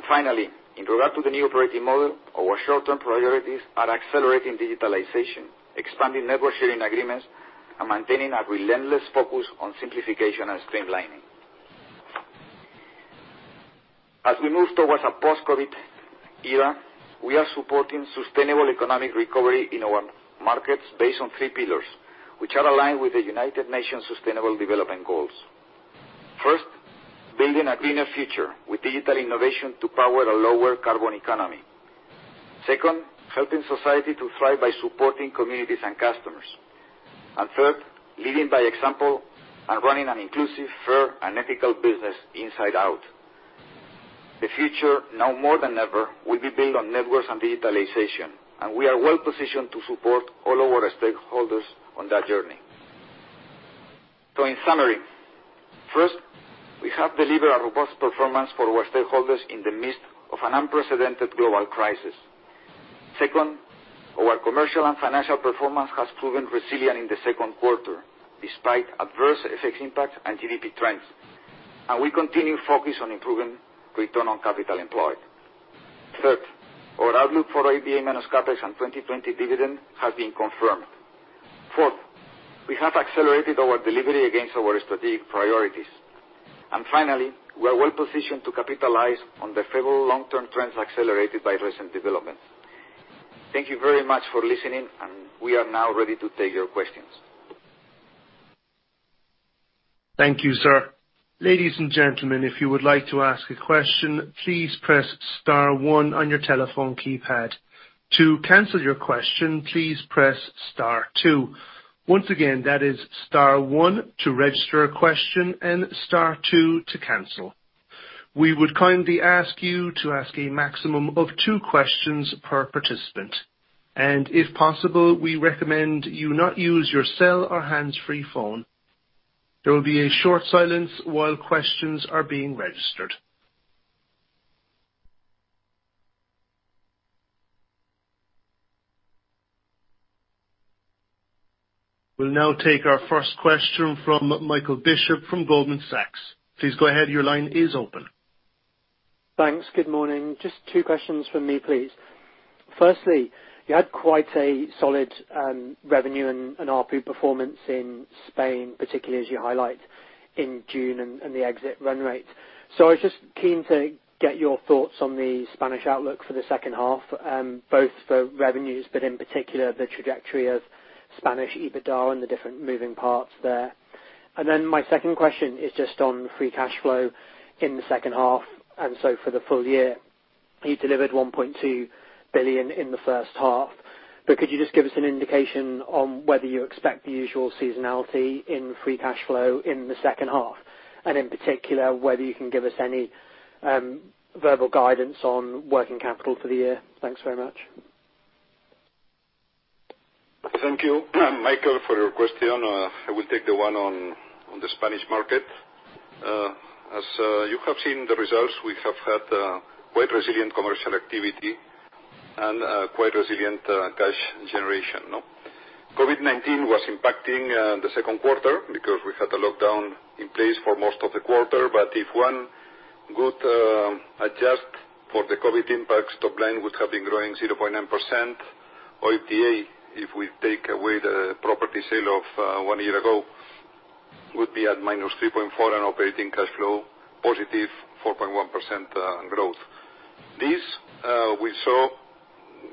Finally, in regard to the new operating model, our short-term priorities are accelerating digitalization, expanding network sharing agreements, and maintaining a relentless focus on simplification and streamlining. As we move towards a post-COVID-19 era, we are supporting sustainable economic recovery in our markets based on three pillars, which are aligned with the United Nations Sustainable Development Goals. First, building a greener future with digital innovation to power a lower carbon economy. Second, helping society to thrive by supporting communities and customers. Third, leading by example and running an inclusive, fair, and ethical business inside out. The future, now more than ever, will be built on networks and digitalization. We are well-positioned to support all our stakeholders on that journey. In summary, we have delivered a robust performance for our stakeholders in the midst of an unprecedented global crisis. Our commercial and financial performance has proven resilient in the second quarter, despite adverse FX impacts and GDP trends. We continue focused on improving return on capital employed. Third, our outlook for OIBDA minus CapEx and 2020 dividend has been confirmed. Fourth, we have accelerated our delivery against our strategic priorities. Finally, we are well positioned to capitalize on the favorable long-term trends accelerated by recent developments. Thank you very much for listening, and we are now ready to take your questions. Thank you, sir. Ladies and gentlemen, if you would like to ask a question, please press star one on your telephone keypad. To cancel your question, please press star two. Once again, that is star one to register a question and star two to cancel. We would kindly ask you to ask a maximum of two questions per participant. If possible, we recommend you not use your cell or hands-free phone. There will be a short silence while questions are being registered. We'll now take our first question from Michael Bishop from Goldman Sachs. Please go ahead. Your line is open. Thanks. Good morning. Just two questions from me, please. Firstly, you had quite a solid revenue and ARPU performance in Spain, particularly as you highlight in June and the exit run rate. I was just keen to get your thoughts on the Spanish outlook for the second half, both for revenues, but in particular, the trajectory of Spanish EBITDA and the different moving parts there. My second question is just on free cash flow in the second half, and so for the full year. You delivered 1.2 billion in the first half, but could you just give us an indication on whether you expect the usual seasonality in free cash flow in the second half? In particular, whether you can give us any verbal guidance on working capital for the year? Thanks very much. Thank you, Michael, for your question. I will take the one on the Spanish market. As you have seen the results, we have had quite resilient commercial activity and quite resilient cash generation. COVID-19 was impacting the second quarter because we had a lockdown in place for most of the quarter, but if one could adjust for the COVID impact, top line would have been growing 0.9%, or if we take away the property sale of one year ago, would be at -3.4% on operating cash flow, positive 4.1% growth. This we saw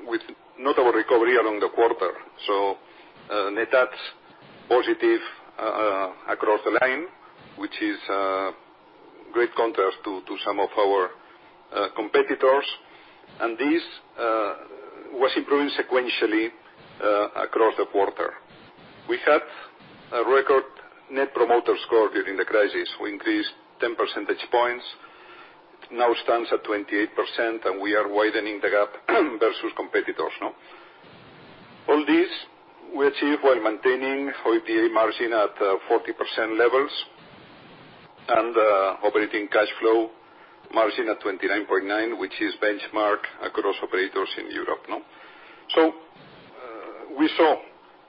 with notable recovery along the quarter. Net adds positive across the line, which is great contrast to some of our competitors. This was improving sequentially across the quarter. We had a record net promoter score during the crisis. We increased 10 percentage points. It now stands at 28%. We are widening the gap versus competitors. All this we achieve while maintaining OIBDA margin at 40% levels and operating cash flow margin at 29.9%, which is benchmark across operators in Europe. We saw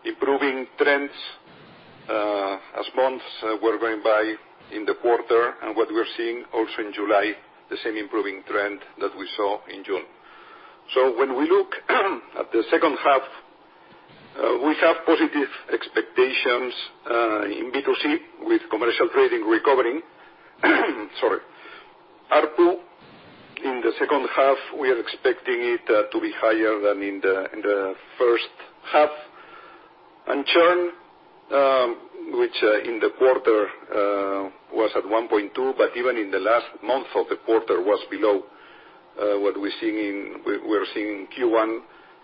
improving trends as months were going by in the quarter. What we're seeing also in July, the same improving trend that we saw in June. When we look at the second half, we have positive expectations in B2C with commercial trading recovering. Sorry. ARPU in the second half, we are expecting it to be higher than in the first half. Churn, which in the quarter was at 1.2, but even in the last month of the quarter was below what we're seeing Q1.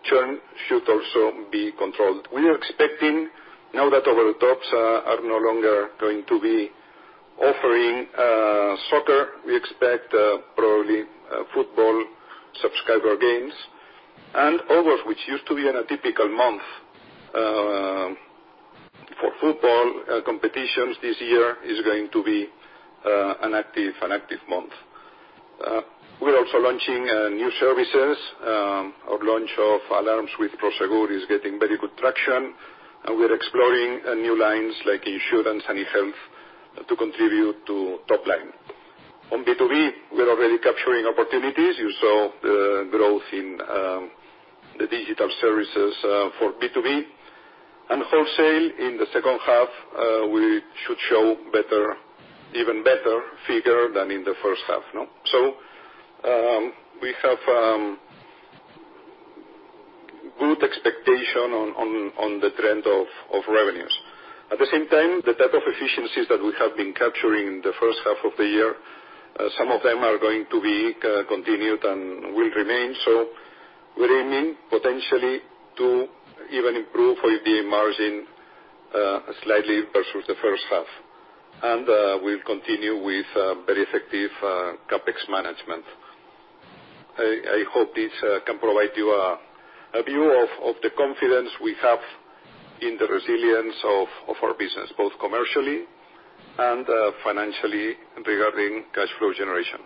Churn should also be controlled. We are expecting now that our tops are no longer going to be offering soccer. We expect probably football subscriber gains. August, which used to be in a typical month for football competitions this year, is going to be an active month. We're also launching new services. Our launch of alarms with Prosegur Compañia de Seguridad is getting very good traction, and we're exploring new lines like insurance and e-health to contribute to top line. On B2B, we are already capturing opportunities. You saw the growth in the digital services for B2B. Wholesale in the second half, we should show even better figure than in the first half. We have good expectation on the trend of revenues. At the same time, the type of efficiencies that we have been capturing in the first half of the year, some of them are going to be continued and will remain. We're aiming potentially to even improve OIBDA margin slightly versus the first half. We'll continue with very effective CapEx management. I hope this can provide you a view of the confidence we have in the resilience of our business, both commercially and financially regarding cash flow generation.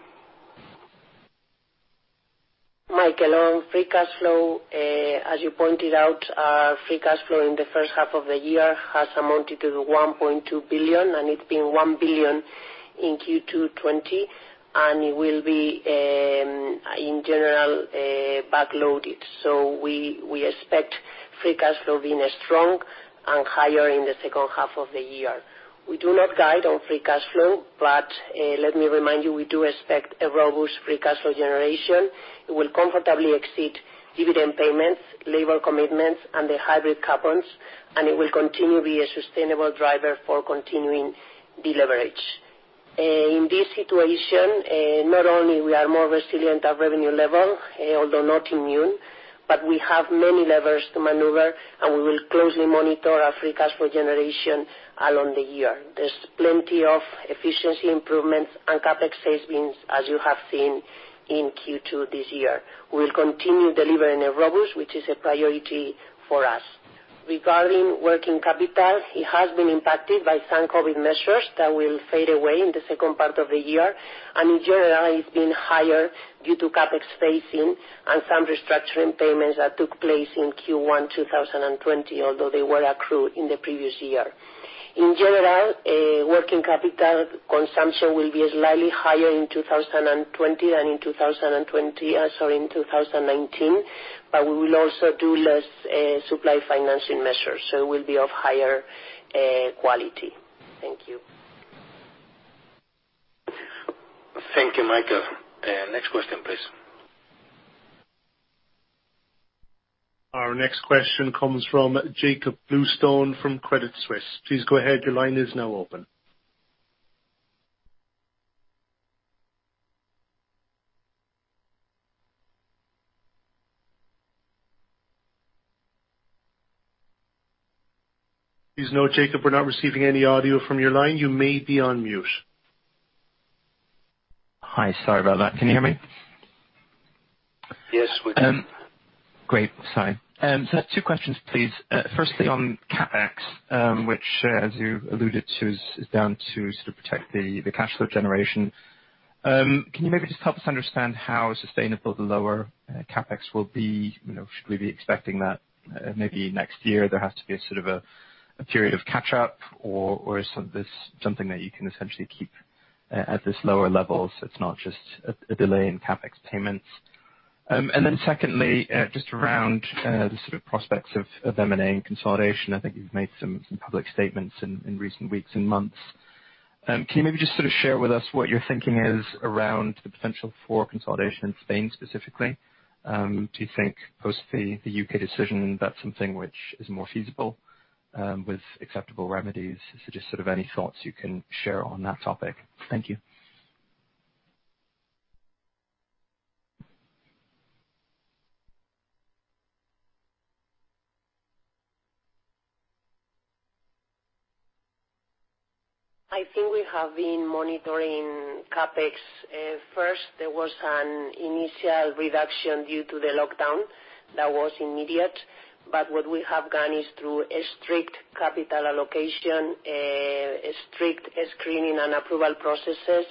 Michael, on free cash flow, as you pointed out, our free cash flow in the first half of the year has amounted to 1.2 billion, and it's been 1 billion in Q2 2020, and it will be, in general, back-loaded. We expect free cash flow being strong and higher in the second half of the year. We do not guide on free cash flow, but let me remind you, we do expect a robust free cash flow generation. It will comfortably exceed dividend payments, labor commitments, and the hybrid coupons, and it will continue to be a sustainable driver for continuing deleverage. In this situation, not only we are more resilient at revenue level, although not immune, but we have many levers to maneuver, and we will closely monitor our free cash flow generation along the year. There's plenty of efficiency improvements and CapEx savings, as you have seen in Q2 this year. We'll continue delivering a robust, which is a priority for us. Regarding working capital, it has been impacted by some COVID measures that will fade away in the second part of the year, and in general, it's been higher due to CapEx phasing and some restructuring payments that took place in Q1 2020, although they were accrued in the previous year. In general, working capital consumption will be slightly higher in 2020 than in 2019. We will also do less supply financing measures. It will be of higher quality. Thank you. Thank you, Michael. Next question, please. Our next question comes from Jakob Bluestone from Credit Suisse. Please go ahead. Your line is now open. Please know, Jakob, we're not receiving any audio from your line. You may be on mute. Hi. Sorry about that. Can you hear me? Yes, we can. Great. Sorry. Two questions, please. Firstly, on CapEx, which, as you alluded to, is down to protect the cash flow generation. Can you maybe just help us understand how sustainable the lower CapEx will be? Should we be expecting that maybe next year there has to be a period of catch up, or is this something that you can essentially keep at this lower level, so it's not just a delay in CapEx payments? Secondly, just around the prospects of M&A and consolidation. I think you've made some public statements in recent weeks and months. Can you maybe just share with us what your thinking is around the potential for consolidation in Spain specifically? Do you think post the U.K. decision, that's something which is more feasible, with acceptable remedies? Just any thoughts you can share on that topic. Thank you. I think we have been monitoring CapEx. First, there was an initial reduction due to the lockdown that was immediate. What we have done is through a strict capital allocation, strict screening, and approval processes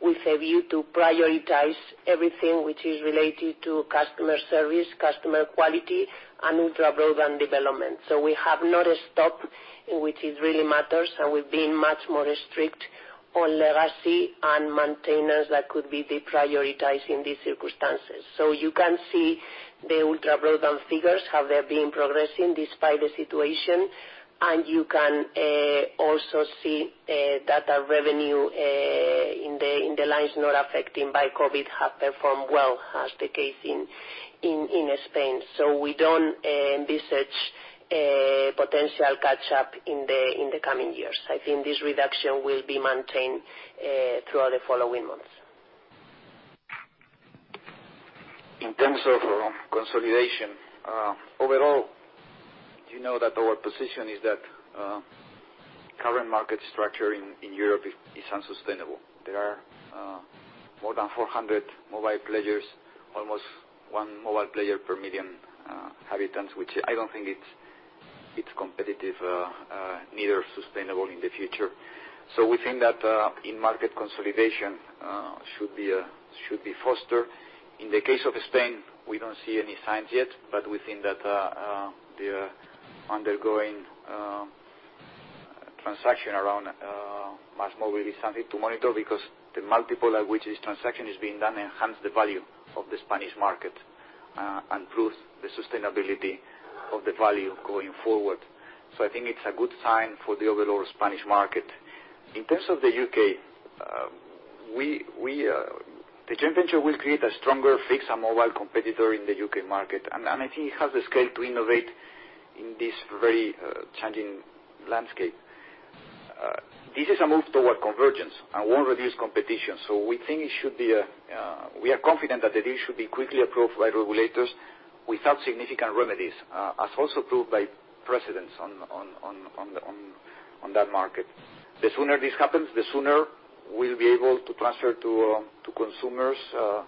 with a view to prioritize everything which is related to customer service, customer quality, and ultra-broadband development. We have not stopped, which it really matters, and we've been much more strict on legacy and maintainers that could be deprioritized in these circumstances. You can see the ultra-broadband figures, how they're being progressing despite the situation. You can also see data revenue in the lines not affected by COVID have performed well, as the case in Spain. We don't envisage a potential catch up in the coming years. I think this reduction will be maintained throughout the following months. In terms of consolidation, overall, you know that our position is that current market structure in Europe is unsustainable. There are more than 400 mobile players, almost one mobile player per million inhabitants, which I don't think it's competitive, neither sustainable in the future. We think that in-market consolidation should be fostered. In the case of Spain, we don't see any signs yet, we think that the undergoing transaction around MásMóvil is something to monitor because the multiple at which this transaction is being done enhances the value of the Spanish market and proves the sustainability of the value going forward. I think it's a good sign for the overall Spanish market. In terms of the U.K., the joint venture will create a stronger fixed and mobile competitor in the U.K. market. I think it has the scale to innovate in this very challenging landscape. This is a move toward convergence and won't reduce competition. We are confident that the deal should be quickly approved by regulators without significant remedies, as also proved by precedents on that market. The sooner this happens, the sooner we'll be able to transfer to consumers a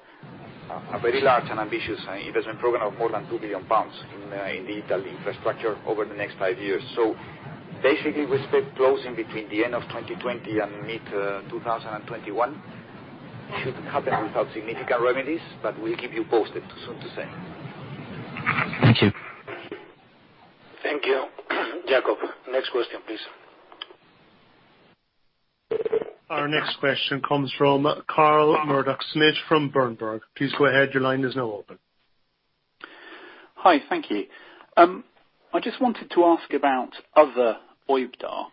very large and ambitious investment program of more than 2 billion pounds in the Italy infrastructure over the next five years. Basically, we expect closing between the end of 2020 and mid-2021. It should happen without significant remedies, but we'll keep you posted. Soon to say. Thank you. Thank you, Jakob. Next question, please. Our next question comes from Carl Murdock-Smith from Berenberg. Please go ahead. Your line is now open. Hi. Thank you. I just wanted to ask about other OIBDA.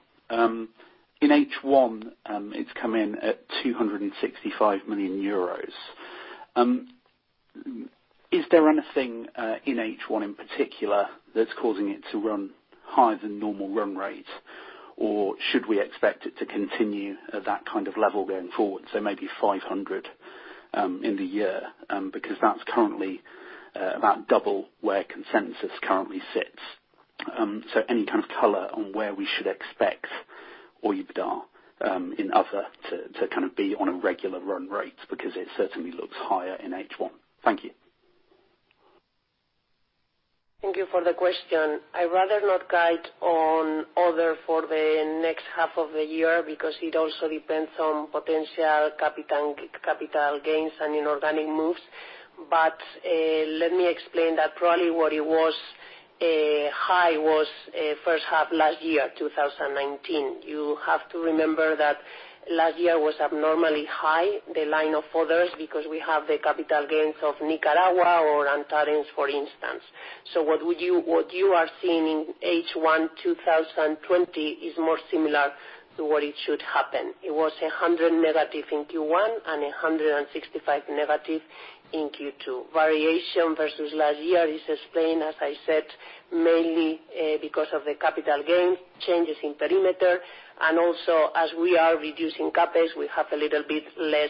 In H1, it's come in at 265 million euros. Is there anything in H1 in particular that's causing it to run higher than normal run rate? Should we expect it to continue at that kind of level going forward, so maybe 500 in the year? Because that's currently about double where consensus currently sits. Any kind of color on where we should expect other EBITDA in other, to be on a regular run rate, because it certainly looks higher in H1. Thank you. Thank you for the question. I'd rather not guide on other for the next half of the year, because it also depends on potential capital gains and inorganic moves. Let me explain that probably what it was high was first half last year, 2019. You have to remember that last year was abnormally high, the line of others, because we have the capital gains of Nicaragua or Antares, for instance. What you are seeing in H1 2020 is more similar to what it should happen. It was 100 negative in Q1, and 165 negative in Q2. Variation versus last year is explained, as I said, mainly because of the capital gains, changes in perimeter, and also as we are reducing CapEx, we have a little bit less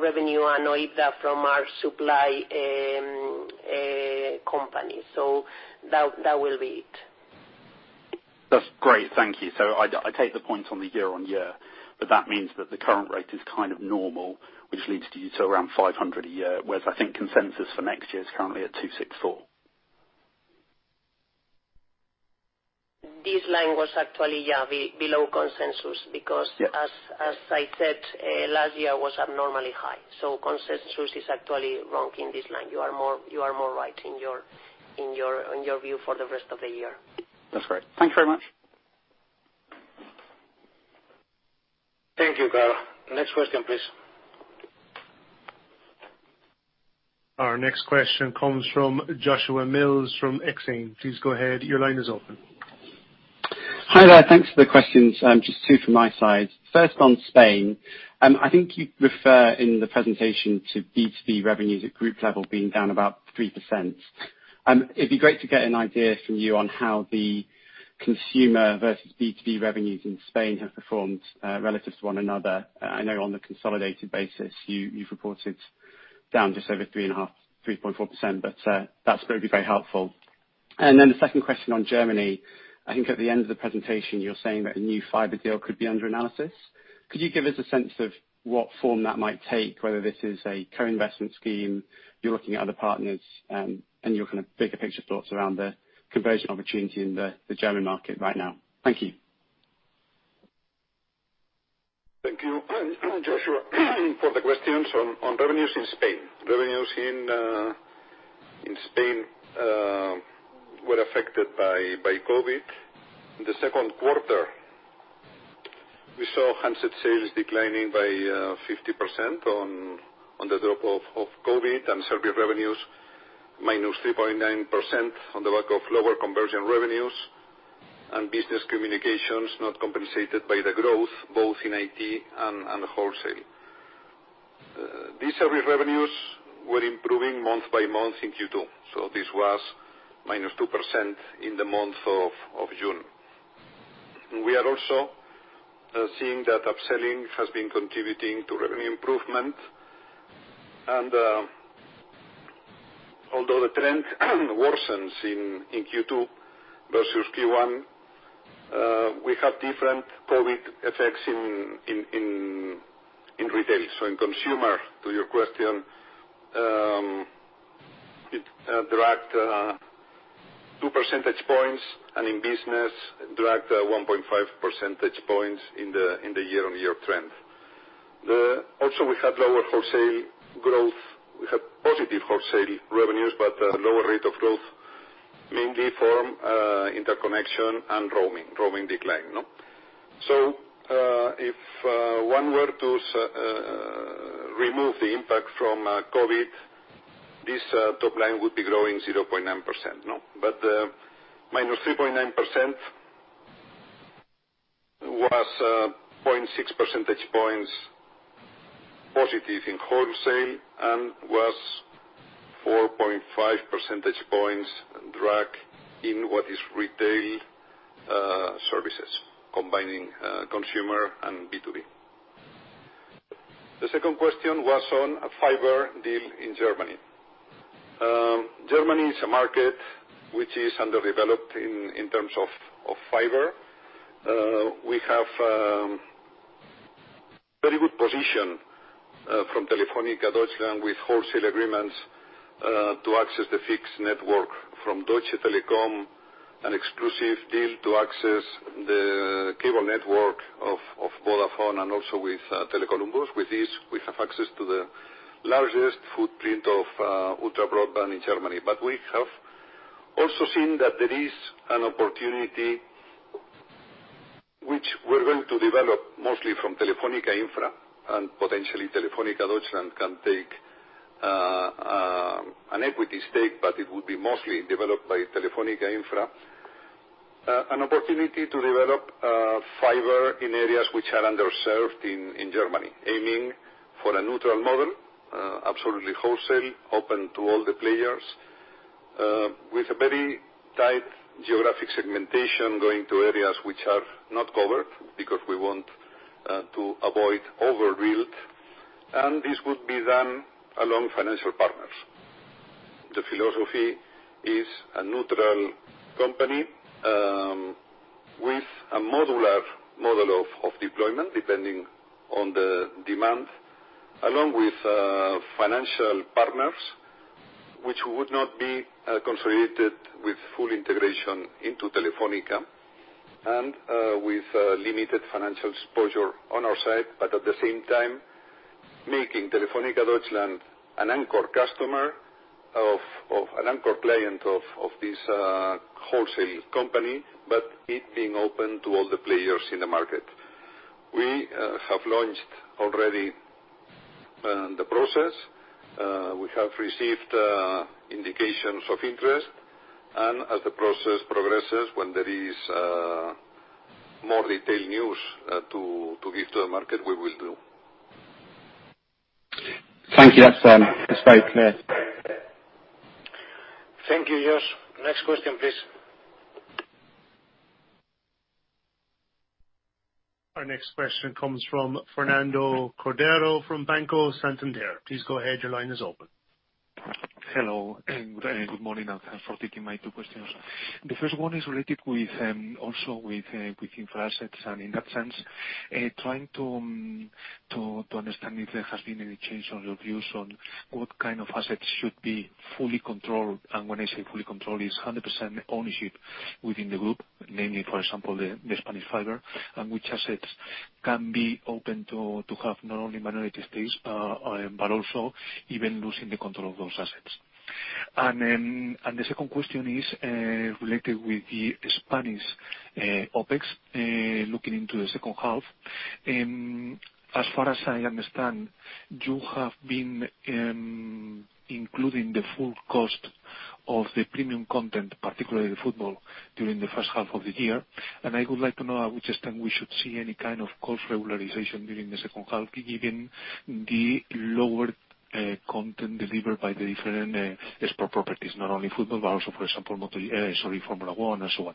revenue and OIBDA from our supply company. That will be it. That's great. Thank you. I take the point on the year-on-year, but that means that the current rate is normal, which leads to you to around 500 a year, whereas I think consensus for next year is currently at 264. This line was actually, yeah, below consensus. Yes As I said, last year was abnormally high. Consensus is actually wrong in this line. You are more right in your view for the rest of the year. That's great. Thank you very much. Thank you, Carl. Next question, please. Our next question comes from Joshua Mills from Exane. Please go ahead. Your line is open. Hi there. Thanks for the questions. Just two from my side. First, on Spain, I think you refer in the presentation to B2B revenues at group level being down about 3%. It'd be great to get an idea from you on how the consumer versus B2B revenues in Spain have performed, relative to one another. I know on the consolidated basis, you've reported down just over 3.5%, 3.4%. That's going to be very helpful. The second question on Germany, I think at the end of the presentation, you're saying that a new fiber deal could be under analysis. Could you give us a sense of what form that might take, whether this is a co-investment scheme, you're looking at other partners, and your bigger picture thoughts around the conversion opportunity in the German market right now? Thank you. Thank you, Joshua, for the questions. On revenues in Spain. Revenues in Spain were affected by COVID-19. In the second quarter, we saw handset sales declining by 50% on the drop of COVID-19 and service revenues minus 3.9% on the back of lower conversion revenues and business communications, not compensated by the growth both in IT and wholesale. These service revenues were improving month by month in Q2. This was minus 2% in the month of June. We are also seeing that upselling has been contributing to revenue improvement. Although the trend worsens in Q2 versus Q1, we have different COVID-19 effects in retail. In consumer, to your question, it dragged 2 percentage points, and in business, it dragged 1.5 percentage points in the year-on-year trend. Also, we had lower wholesale growth. We have positive wholesale revenues, lower rate of growth, mainly from interconnection and roaming decline. If one were to remove the impact from COVID-19, this top line would be growing 0.9%. Minus 3.9% was 0.6 percentage points positive in wholesale and was 4.5 percentage points drag in what is retailed services, combining consumer and B2B. The second question was on a fiber deal in Germany. Germany is a market which is underdeveloped in terms of fiber. We have very good position from Telefónica Deutschland with wholesale agreements, to access the fixed network from Deutsche Telekom, an exclusive deal to access the cable network of Vodafone, and also with Tele Columbus. With this, we have access to the largest footprint of ultra broadband in Germany. We have also seen that there is an opportunity which we're going to develop mostly from Telefónica Infra, and potentially Telefónica Deutschland can take an equity stake, but it would be mostly developed by Telefónica Infra. An opportunity to develop fiber in areas which are underserved in Germany, aiming for a neutral model, absolutely wholesale, open to all the players, with a very tight geographic segmentation going to areas which are not covered because we want to avoid overbuild, and this would be done along financial partners. The philosophy is a neutral company, with a modular model of deployment depending on the demand, along with financial partners, which would not be consolidated with full integration into Telefónica and with limited financial exposure on our side, but at the same time, making Telefónica Deutschland an anchor client of this wholesale company, but it being open to all the players in the market. We have launched already the process. We have received indications of interest, and as the process progresses, when there is more detailed news to give to the market, we will do. Thank you. That's very clear. Thank you, Josh. Next question, please. Our next question comes from Fernando Cordero from Banco Santander. Please go ahead. Your line is open. Hello, good morning, and thanks for taking my two questions. The first one is related also with infra assets, in that sense, trying to understand if there has been any change on your views on what kind of assets should be fully controlled. When I say fully controlled, it's 100% ownership within the group, namely, for example, the Spanish fiber, which assets can be open to have not only minority stakes, but also even losing the control of those assets. The second question is related with the Spanish OpEx, looking into the second half. As far as I understand, you have been including the full cost of the premium content, particularly the football, during the first half of the year. I would like to know to what extent we should see any kind of cost regularization during the second half, given the lower content delivered by the different sport properties, not only football, but also, for example, Formula one and so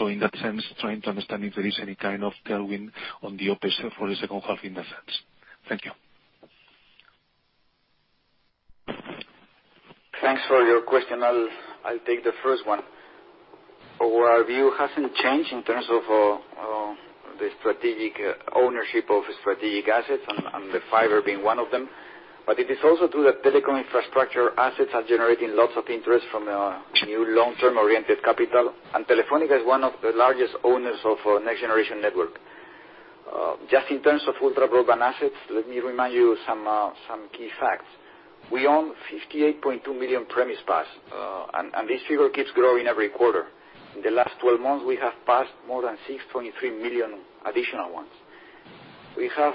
on. In that sense, trying to understand if there is any kind of tailwind on the OpEx for the second half in that sense. Thank you. Thanks for your question. I'll take the first one. Our view hasn't changed in terms of the strategic ownership of strategic assets, and the fiber being one of them. It is also true that telecom infrastructure assets are generating lots of interest from new long-term oriented capital, and Telefónica is one of the largest owners of next-generation network. Just in terms of ultra-broadband assets, let me remind you some key facts. We own 58.2 million premises passed, and this figure keeps growing every quarter. In the last 12 months, we have passed more than 6.3 million additional ones. We have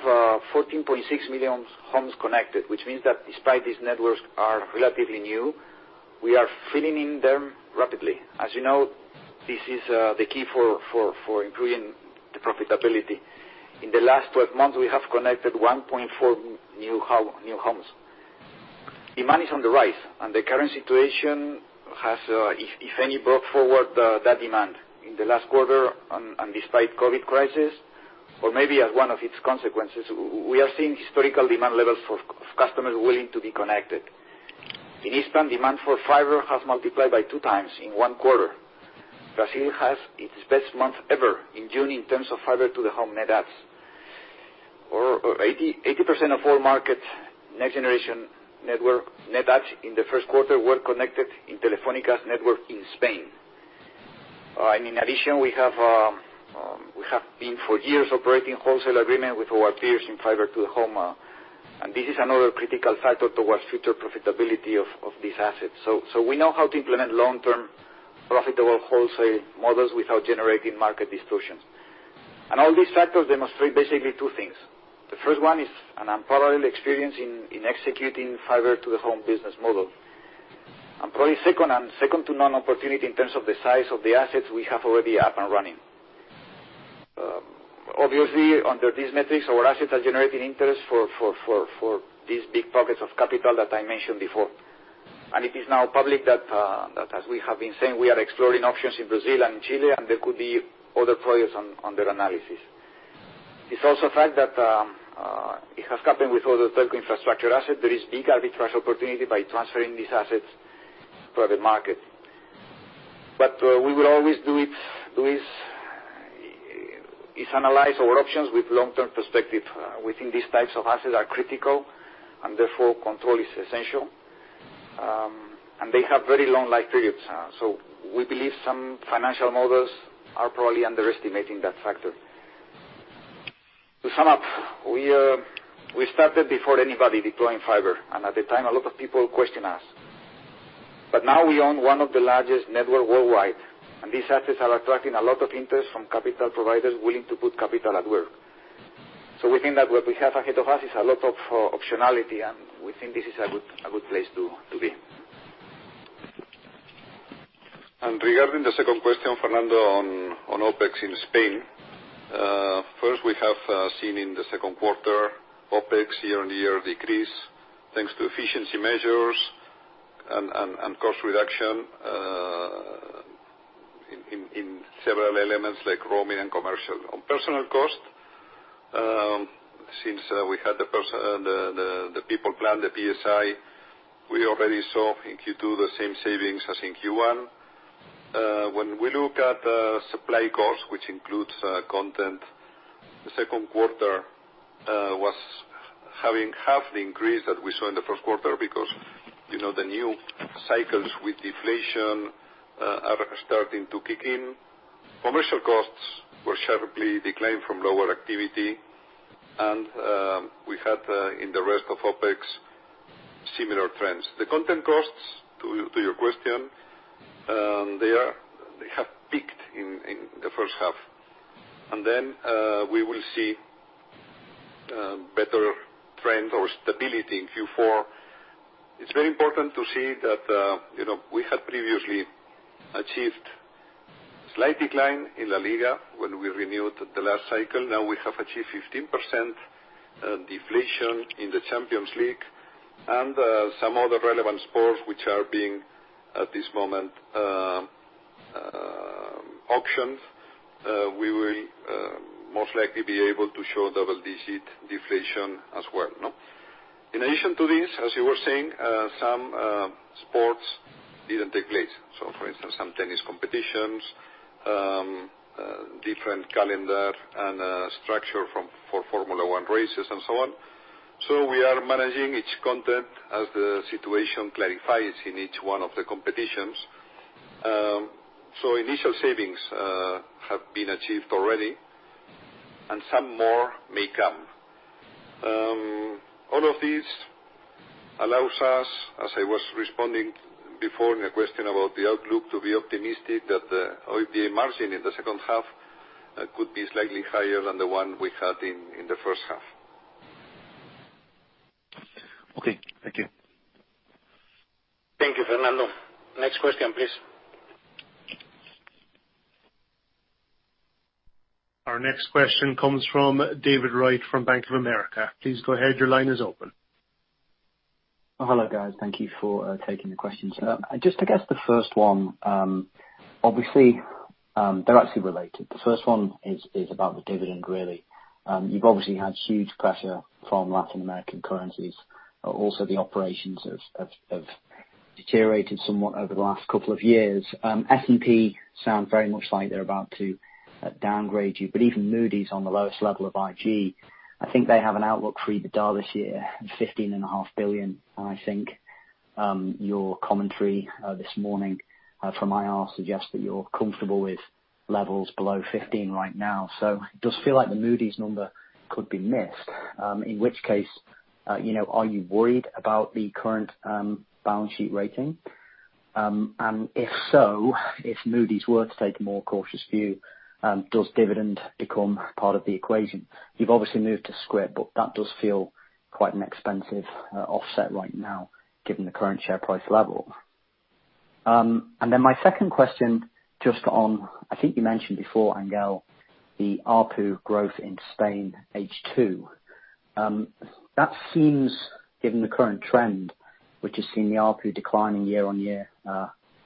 14.6 million homes connected, which means that despite these networks are relatively new, we are filling in them rapidly. As you know, this is the key for improving the profitability. In the last 12 months, we have connected 1.4 new homes. Demand is on the rise. The current situation has, if any, brought forward that demand. In the last quarter, despite COVID-19 crisis or maybe as one of its consequences, we are seeing historical demand levels of customers willing to be connected. In Spain, demand for fiber has multiplied by two times in one quarter. Brazil has its best month ever in June in terms of fiber-to-the-home net adds. 80% of all market next generation network net adds in the first quarter were connected in Telefónica's network in Spain. In addition, we have been for years operating wholesale agreement with our peers in fiber-to-the-home, and this is another critical factor towards future profitability of these assets. We know how to implement long-term profitable wholesale models without generating market distortions. All these factors demonstrate basically two things. The first one is an unparalleled experience in executing fiber-to-the-home business model. Probably second, and second-to-none opportunity in terms of the size of the assets we have already up and running. Obviously, under these metrics, our assets are generating interest for these big pockets of capital that I mentioned before. It is now public that, as we have been saying, we are exploring options in Brazil and Chile, and there could be other projects under analysis. It is also a fact that it has happened with other telecom infrastructure assets. There is big arbitrage opportunity by transferring these assets to the market. We will always do is analyze our options with long-term perspective. We think these types of assets are critical, and therefore, control is essential. They have very long-life periods. We believe some financial models are probably underestimating that factor. To sum up, we started before anybody deploying fiber, and at the time, a lot of people questioned us. Now we own one of the largest network worldwide, and these assets are attracting a lot of interest from capital providers willing to put capital at work. We think that what we have ahead of us is a lot of optionality, and we think this is a good place to be. Regarding the second question, Fernando, on OpEx in Spain. First, we have seen in the second quarter OpEx year-on-year decrease, thanks to efficiency measures and cost reduction in several elements like roaming and commercial. On personal cost, since we had the people plan, the PSI, we already saw in Q2 the same savings as in Q1. When we look at supply costs, which includes content, the second quarter was having half the increase that we saw in the first quarter because the new cycles with deflation are starting to kick in. Commercial costs were sharply declined from lower activity. We had, in the rest of OpEx, similar trends. The content costs, to your question, they have peaked in the first half. We will see better trend or stability in Q4. It's very important to see that we had previously achieved slight decline in LaLiga when we renewed the last cycle. Now we have achieved 15% deflation in the Champions League. Some other relevant sports which are being, at this moment, auctioned, we will most likely be able to show double-digit deflation as well. In addition to this, as you were saying, some sports didn't take place. For instance, some tennis competitions, different calendar and structure for Formula 1 races and so on. We are managing each content as the situation clarifies in each one of the competitions. Initial savings have been achieved already, and some more may come. All of this allows us, as I was responding before in a question about the outlook, to be optimistic that the OIBDA margin in the second half could be slightly higher than the one we had in the first half. Okay. Thank you. Thank you, Fernando. Next question, please. Our next question comes from David Wright from Bank of America. Please go ahead, your line is open. Hello, guys. Thank you for taking the questions. Just to guess the first one, obviously, they're actually related. The first one is about the dividend, really. You've obviously had huge pressure from Latin American currencies. The operations have deteriorated somewhat over the last couple of years. S&P sound very much like they're about to downgrade you. Even Moody's on the lowest level of IG, I think they have an outlook for EBITDA this year, $15.5 billion. I think your commentary this morning from IR suggests that you're comfortable with levels below 15 right now. It does feel like the Moody's number could be missed. In which case, are you worried about the current balance sheet rating? If so, if Moody's were to take a more cautious view, does dividend become part of the equation? You've obviously moved to scrip, that does feel quite an expensive offset right now, given the current share price level. My second question, just on, I think you mentioned before, Ángel, the ARPU growth in Spain, H2. That seems, given the current trend, which has seen the ARPU declining year-on-year in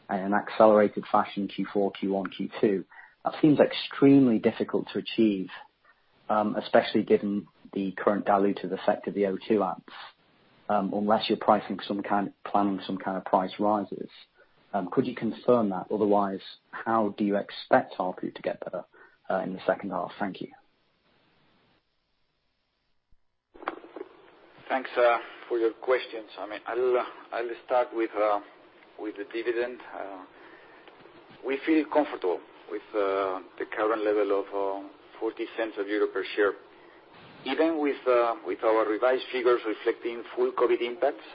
an accelerated fashion, Q4, Q1, Q2. That seems extremely difficult to achieve, especially given the current dilutive effect of the O2 apps, unless you're pricing some kind of planning, some kind of price rises. Could you confirm that? Otherwise, how do you expect ARPU to get better in the second half? Thank you. Thanks for your questions. I'll start with the dividend. We feel comfortable with the current level of 0.40 per share. Even with our revised figures reflecting full COVID-19 impacts,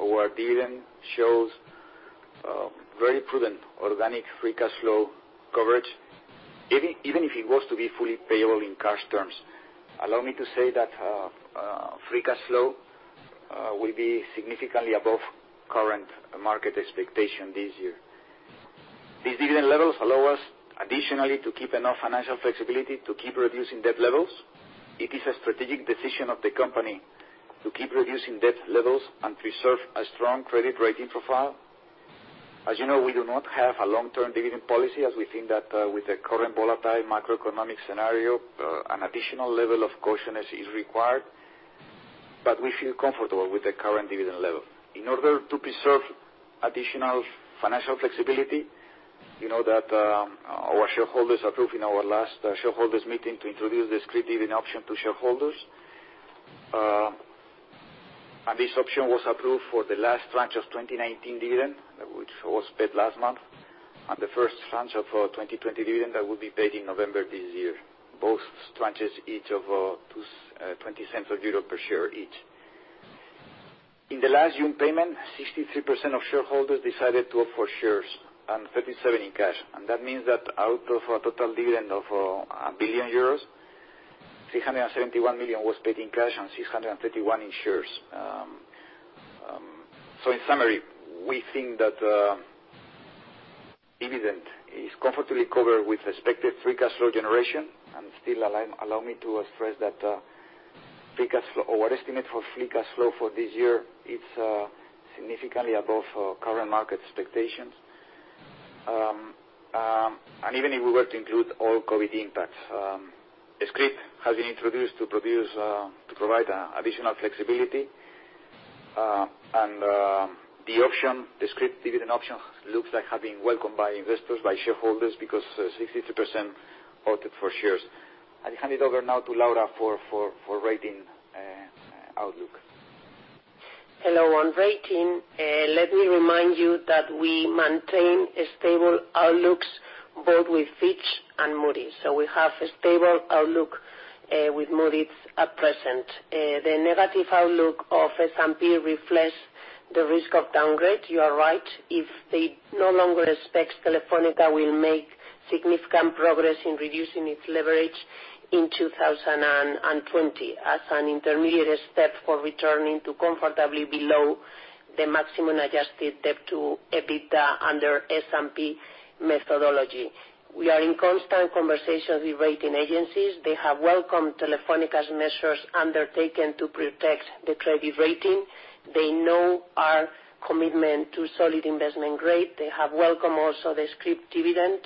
our dividend shows very prudent organic free cash flow coverage, even if it was to be fully payable in cash terms. Allow me to say that free cash flow will be significantly above current market expectation this year. These dividend levels allow us additionally to keep enough financial flexibility to keep reducing debt levels. It is a strategic decision of the company to keep reducing debt levels and preserve a strong credit rating profile. As you know, we do not have a long-term dividend policy, as we think that with the current volatile macroeconomic scenario, an additional level of cautiousness is required. We feel comfortable with the current dividend level. In order to preserve additional financial flexibility, you know that our shareholders approved in our last shareholders meeting to introduce the scrip dividend option to shareholders. This option was approved for the last tranche of 2019 dividend, which was paid last month, and the first tranche of our 2020 dividend that will be paid in November this year. Both tranches, 0.20 per share each. In the last June payment, 63% of shareholders decided to opt for shares and 37% in cash. That means that out of a total dividend of 1 billion euros, 671 million was paid in cash and 631 million in shares. In summary, we think that dividend is comfortably covered with expected free cash flow generation. Our estimate for free cash flow for this year, it's significantly above current market expectations, even if we were to include all COVID impacts. The scrip has been introduced to provide additional flexibility, and the scrip dividend option looks like have been welcomed by investors, by shareholders, because 62% opted for shares. I hand it over now to Laura for rating outlook. Hello. On rating, let me remind you that we maintain stable outlooks, both with Fitch and Moody's. We have a stable outlook with Moody's at present. The negative outlook of S&P reflects the risk of downgrade, you are right, if they no longer expect Telefónica will make significant progress in reducing its leverage in 2020 as an intermediate step for returning to comfortably below the maximum adjusted debt to EBITDA under S&P methodology. We are in constant conversations with rating agencies. They have welcomed Telefónica's measures undertaken to protect the credit rating. They know our commitment to solid investment grade. They have welcomed also the scrip dividend.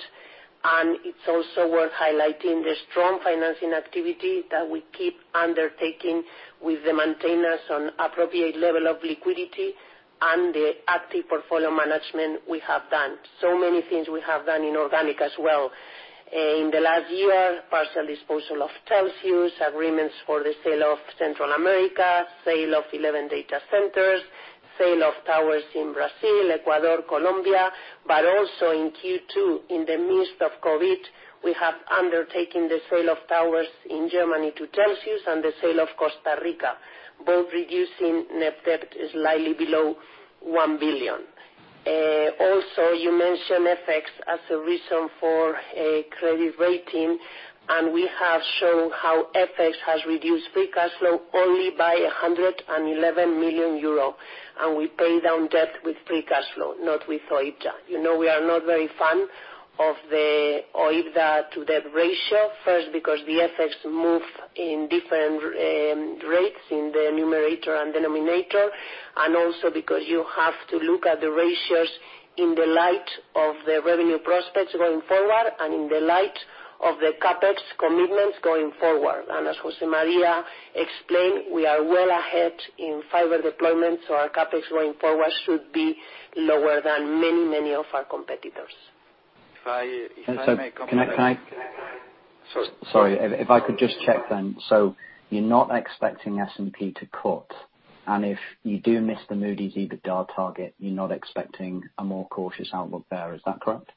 It's also worth highlighting the strong financing activity that we keep undertaking will then maintain us on appropriate level of liquidity, and the active portfolio management we have done. Many things we have done in organic as well. In the last year, partial disposal of Telxius, agreements for the sale of Central America, sale of 11 data centers, sale of towers in Brazil, Ecuador, Colombia. Also in Q2, in the midst of COVID, we have undertaken the sale of towers in Germany to Telxius and the sale of Costa Rica, both reducing net debt slightly below 1 billion. Also, you mentioned FX as a reason for a credit rating, and we have shown how FX has reduced free cash flow only by €111 million. We pay down debt with free cash flow, not with OIBDA. You know we are not very fan of the OIBDA to debt ratio. First, because the FX move in different rates in the numerator and denominator, also because you have to look at the ratios in the light of the revenue prospects going forward and in the light of the CapEx commitments going forward. As José María explained, we are well ahead in fiber deployment, our CapEx going forward should be lower than many of our competitors. If I may- Sorry, if I could just check then. You're not expecting S&P to cut, and if you do miss the Moody's EBITDA target, you're not expecting a more cautious outlook there, is that correct?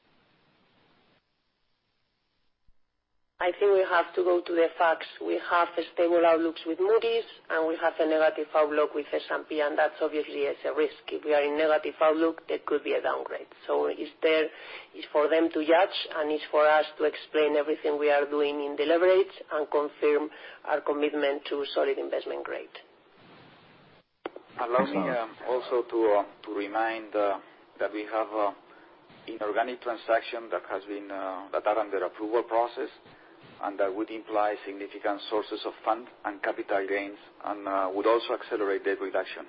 I think we have to go to the facts. We have stable outlooks with Moody's. We have a negative outlook with S&P. That obviously is a risk. If we are in negative outlook, there could be a downgrade. It's for them to judge. It's for us to explain everything we are doing in deliberate and confirm our commitment to solid investment grade. Allow me also to remind that we have inorganic transaction that are under approval process, that would imply significant sources of fund and capital gains, would also accelerate debt reduction.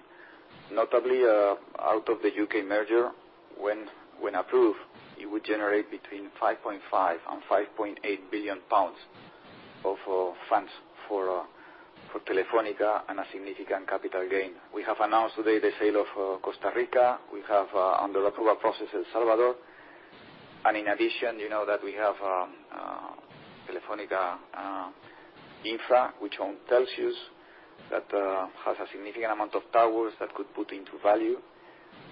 Notably, out of the U.K. merger, when approved, it would generate between 5.5 billion pounds and GBP 6.8 billion of funds for Telefónica and a significant capital gain. We have announced today the sale of Costa Rica. We have under approval process El Salvador. In addition, you know that we have Telefónica Infra, which own Telxius, that has a significant amount of towers that could put into value.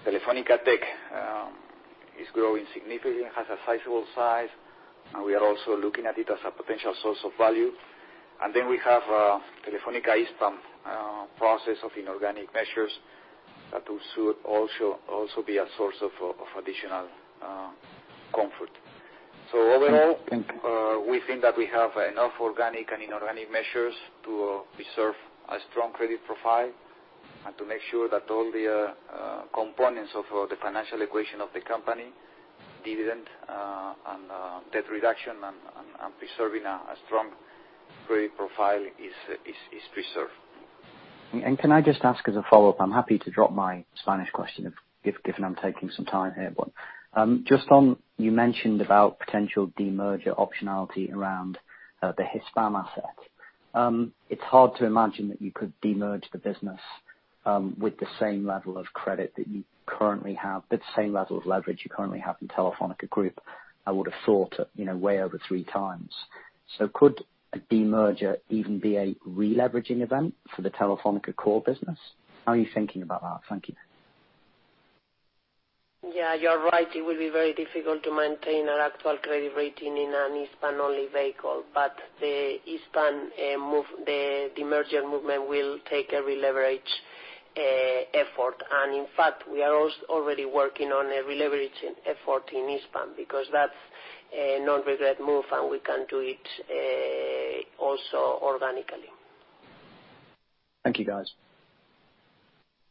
Telefónica Tech is growing significantly, has a sizable size, we are also looking at it as a potential source of value. Then we have Telefónica Hispam, process of inorganic measures that should also be a source of additional comfort. Overall, we think that we have enough organic and inorganic measures to preserve a strong credit profile and to make sure that all the components of the financial equation of the company, dividend and debt reduction and preserving a strong credit profile is preserved. Can I just ask as a follow-up, I'm happy to drop my Spanish question, given I'm taking some time here, but just on, you mentioned about potential demerger optionality around the Hispam assets. It's hard to imagine that you could demerge the business with the same level of leverage you currently have in Telefónica Group. I would have thought way over three times. Could a demerger even be a releveraging event for the Telefónica core business? How are you thinking about that? Thank you. Yeah, you're right. It will be very difficult to maintain our actual credit rating in an Hispam-only vehicle. The Hispam demerger movement will take a leverage effort. In fact, we are already working on a releveraging effort in Hispam because that's a non-regret move, and we can do it also organically. Thank you, guys.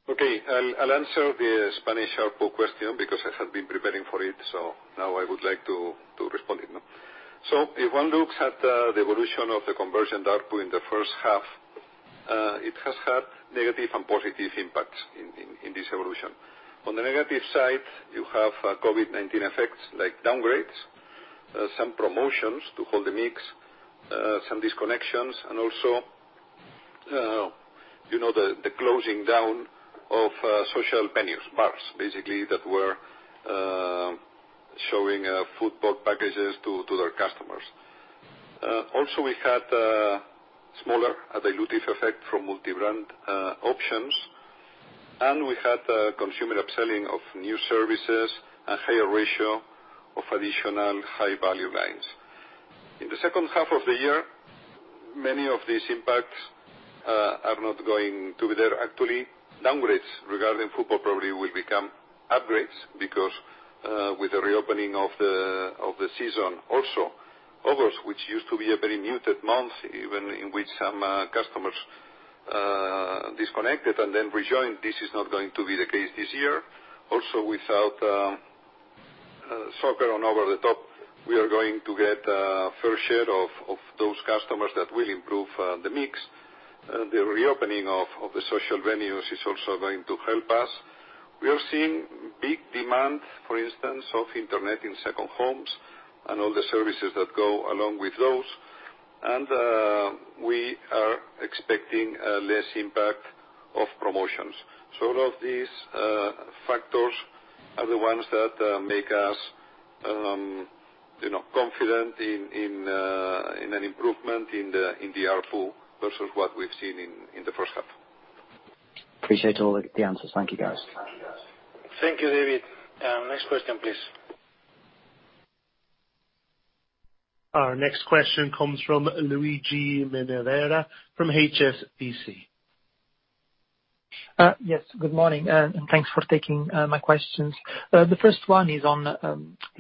Okay. I'll answer the Spanish ARPU question because I have been preparing for it. Now I would like to respond it now. If one looks at the evolution of the conversion ARPU in the first half, it has had negative and positive impacts in this evolution. On the negative side, you have COVID-19 effects like downgrades, some promotions to hold the mix, some disconnections, and also the closing down of social venues, bars, basically, that were showing football packages to their customers. We had a smaller dilutive effect from multi-brand options, and we had consumer upselling of new services and higher ratio of additional high-value lines. In the second half of the year, many of these impacts are not going to be there. Actually, downgrades regarding football probably will become upgrades because with the reopening of the season also. August, which used to be a very muted month, even in which some customers disconnected and then rejoined, this is not going to be the case this year. Without soccer on over the top, we are going to get a fair share of those customers that will improve the mix. The reopening of the social venues is also going to help us. We are seeing big demand, for instance, of internet in second homes and all the services that go along with those. We are expecting less impact of promotions. All of these factors are the ones that make us confident in an improvement in the ARPU versus what we've seen in the first half. Appreciate all the answers. Thank you, guys. Thank you, David. Next question, please. Our next question comes from Luigi Minerva from HSBC Bank. Yes, good morning. Thanks for taking my questions. The first one is on the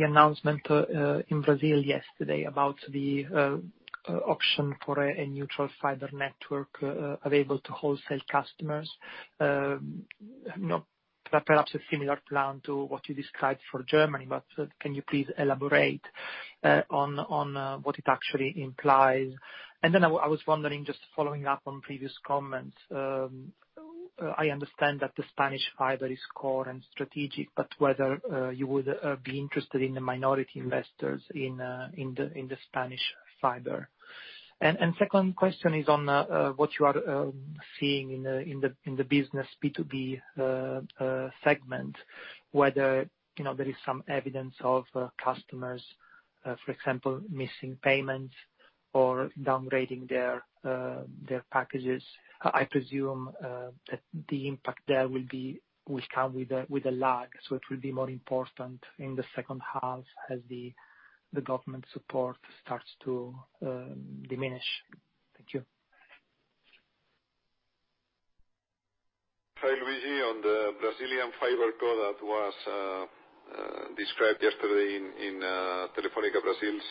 announcement in Brazil yesterday about the option for a neutral fiber network available to wholesale customers. Perhaps a similar plan to what you described for Germany. Can you please elaborate on what it actually implies? I was wondering, just following up on previous comments, I understand that the Spanish fiber is core and strategic, whether you would be interested in the minority investors in the Spanish fiber. Second question is on what you are seeing in the B2B segment, whether there is some evidence of customers, for example, missing payments or downgrading their packages. I presume that the impact there will come with a lag. It will be more important in the second half as the government support starts to diminish. Thank you. Hi, Luigi. On the Brazilian fiber co that was described yesterday in Telefónica Brasil's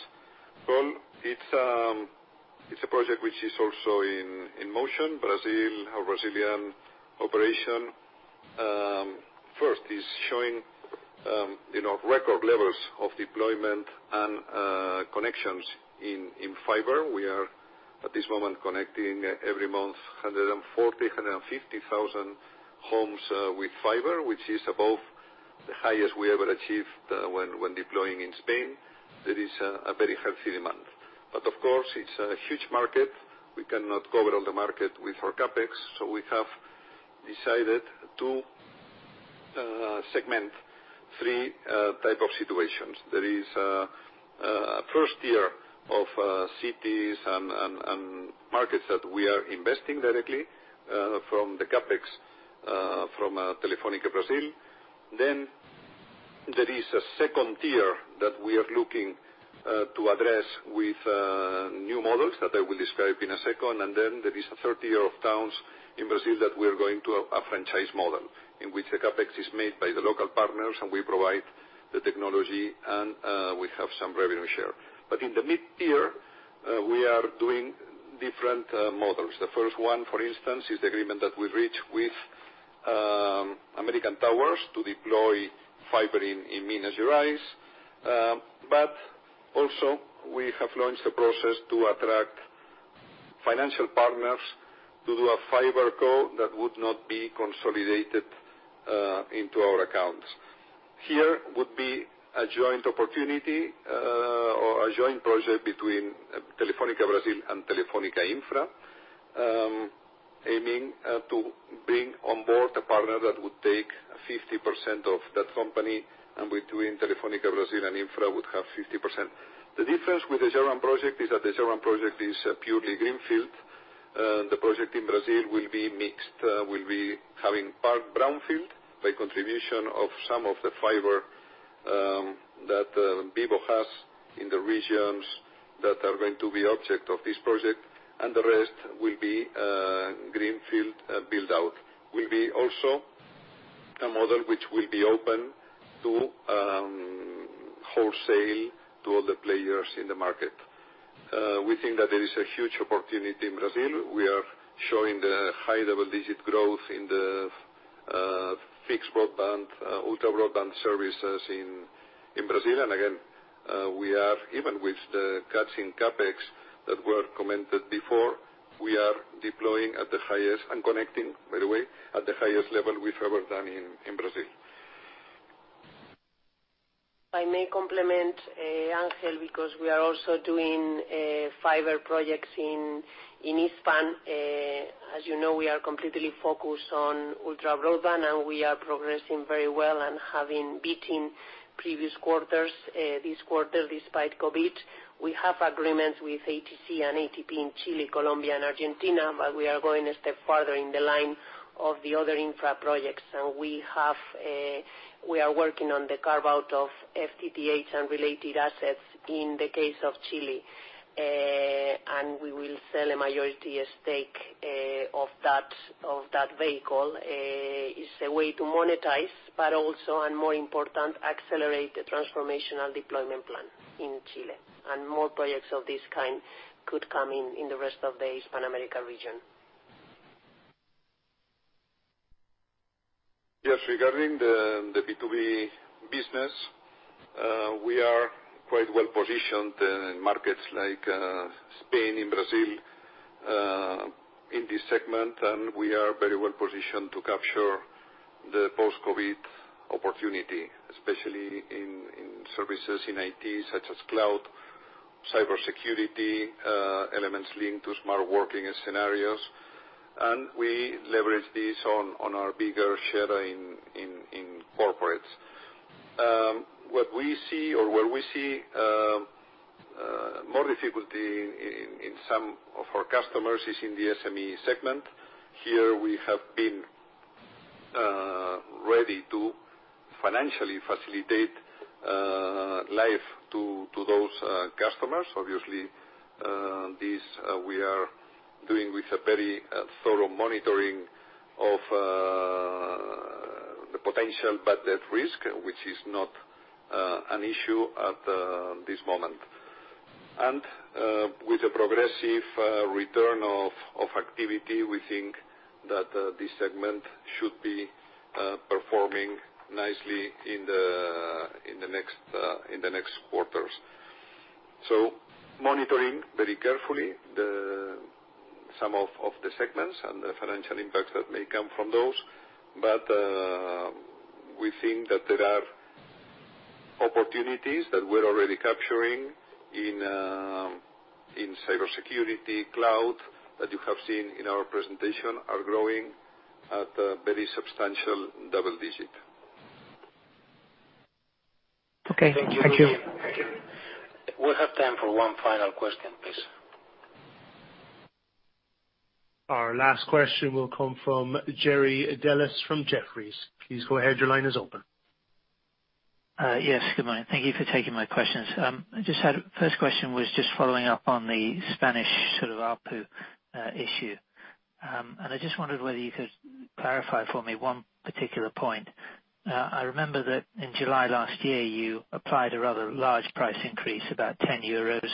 call, it's a project which is also in motion. Brazil, our Brazilian operation, first is showing record levels of deployment and connections in fiber. We are, at this moment, connecting every month 140,000, 150,000 homes with fiber, which is above the highest we ever achieved when deploying in Spain. There is a very healthy demand. Of course, it's a huge market. We cannot cover all the market with our CapEx. We have decided to segment three type of situations. There is a first tier of cities and markets that we are investing directly from the CapEx from Telefónica Brasil. There is a second tier that we are looking to address with new models that I will describe in a second. Then there is a third tier of towns in Brazil that we're going to a franchise model, in which the CapEx is made by the local partners and we provide the technology, and we have some revenue share. In the mid-tier, we are doing different models. The first one, for instance, is the agreement that we reached with American Tower to deploy fiber in Minas Gerais. Also, we have launched a process to attract financial partners to do a fiber co that would not be consolidated into our accounts. Here would be a joint opportunity or a joint project between Telefónica Brasil and Telefónica Infra, aiming to bring on board a partner that would take 50% of that company, and between Telefónica Brasil and Infra would have 50%. The difference with the German project is that the German project is purely greenfield. The project in Brazil will be mixed. We will be having part brownfield by contribution of some of the fiber that Vivo has in the regions that are going to be object of this project, and the rest will be greenfield build-out. It will also be a model which will be open to wholesale to all the players in the market. We think that there is a huge opportunity in Brazil. We are showing the high double-digit growth in the fixed broadband, ultra broadband services in Brazil. Again, even with the cuts in CapEx that were commented before, we are deploying at the highest, and connecting, by the way, at the highest level we have ever done in Brazil. If I may complement Ángel, we are also doing fiber projects in Hispam. As you know, we are completely focused on ultra broadband, we are progressing very well and have been beating previous quarters this quarter despite COVID-19. We have agreements with ATC and ATP in Chile, Colombia, and Argentina, we are going a step farther in the line of the other infra projects. We are working on the carve-out of FTTH and related assets in the case of Chile. We will sell a majority stake of that vehicle. It's a way to monetize, but also, and more important, accelerate the transformational deployment plan in Chile. More projects of this kind could come in the rest of the Hispanic America region. Yes, regarding the B2B business, we are quite well-positioned in markets like Spain and Brazil in this segment. We are very well positioned to capture the post-COVID opportunity, especially in services in IT such as cloud, cybersecurity, elements linked to smart working scenarios. We leverage this on our bigger share in corporates. Where we see more difficulty in some of our customers is in the SME segment. Here, we have been ready to financially facilitate life to those customers. Obviously, this we are doing with a very thorough monitoring of the potential bad debt risk, which is not an issue at this moment. With a progressive return of activity, we think that this segment should be performing nicely in the next quarters. Monitoring very carefully some of the segments and the financial impacts that may come from those. We think that there are opportunities that we're already capturing in cybersecurity, cloud, that you have seen in our presentation are growing at a very substantial double digit. Okay, thank you. Thank you. We have time for one final question, please. Our last question will come from Jerry Dellis from Jefferies. Please go ahead. Your line is open. Yes, good morning. Thank you for taking my questions. First question was just following up on the Spanish ARPU issue. I just wondered whether you could clarify for me one particular point. I remember that in July last year, you applied a rather large price increase, about 10 euros,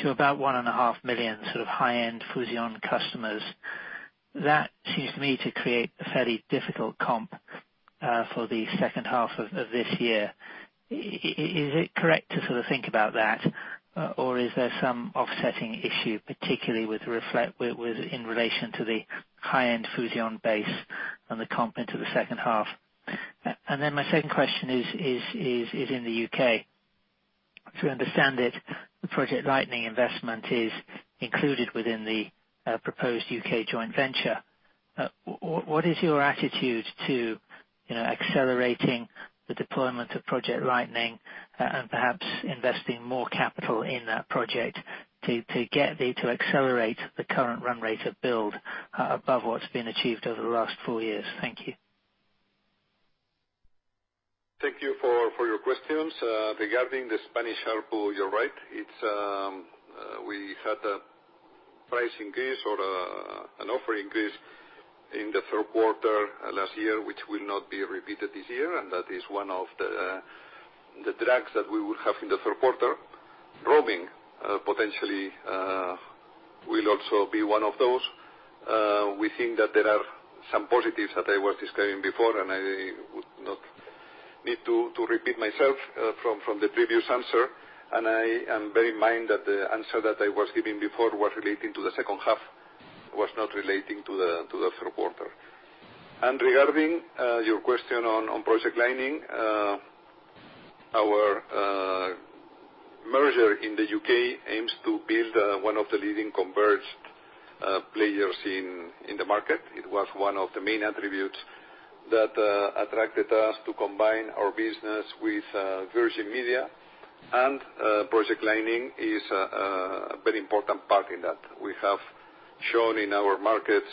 to about 1.5 million high-end fusion customers. That seems to me to create a fairly difficult comp for the second half of this year. Is it correct to think about that, or is there some offsetting issue, particularly in relation to the high-end fusion base and the comp into the second half? My second question is in the U.K., to understand it, the Project Lightning investment is included within the proposed U.K. joint venture. What is your attitude to accelerating the deployment of Project Lightning and perhaps investing more capital in that project to accelerate the current run rate of build above what's been achieved over the last four years? Thank you. Thank you for your questions. Regarding the Spanish ARPU, you're right. We had a price increase or an offer increase in the third quarter last year, which will not be repeated this year. That is one of the drags that we will have in the third quarter. Roaming, potentially, will also be one of those. We think that there are some positives that I was describing before. I would not need to repeat myself from the previous answer. Bear in mind that the answer that I was giving before was relating to the second half, was not relating to the third quarter. Regarding your question on Project Lightning, our merger in the U.K. aims to build one of the leading converged players in the market. It was one of the main attributes that attracted us to combine our business with Virgin Media. Project Lightning is a very important part in that. We have shown in our markets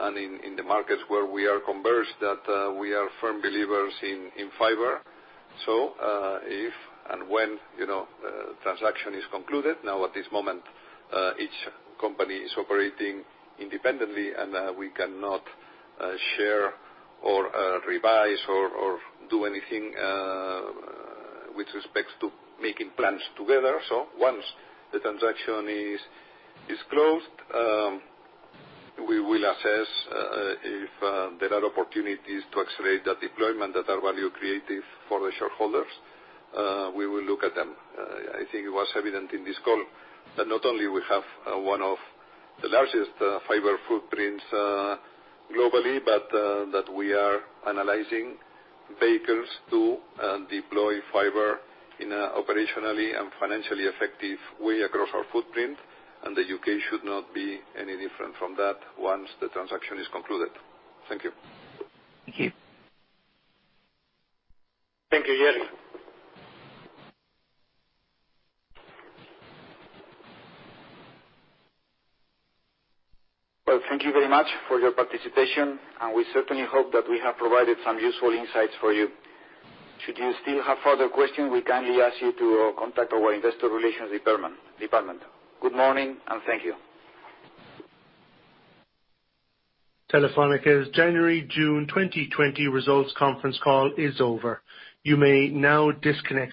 and in the markets where we are converged that we are firm believers in fiber. If and when the transaction is concluded, now at this moment, each company is operating independently, and we cannot share or revise or do anything with respects to making plans together. Once the transaction is closed, we will assess if there are opportunities to accelerate that deployment that are value creative for the shareholders. We will look at them. I think it was evident in this call that not only we have one of the largest fiber footprints globally, but that we are analyzing vehicles to deploy fiber in an operationally and financially effective way across our footprint, and the U.K. should not be any different from that once the transaction is concluded. Thank you. Thank you. Thank you, Jerry. Well, thank you very much for your participation, and we certainly hope that we have provided some useful insights for you. Should you still have further questions, we kindly ask you to contact our investor relations department. Good morning, and thank you. Telefónica's January, June 2020 results conference call is over. You may now disconnect.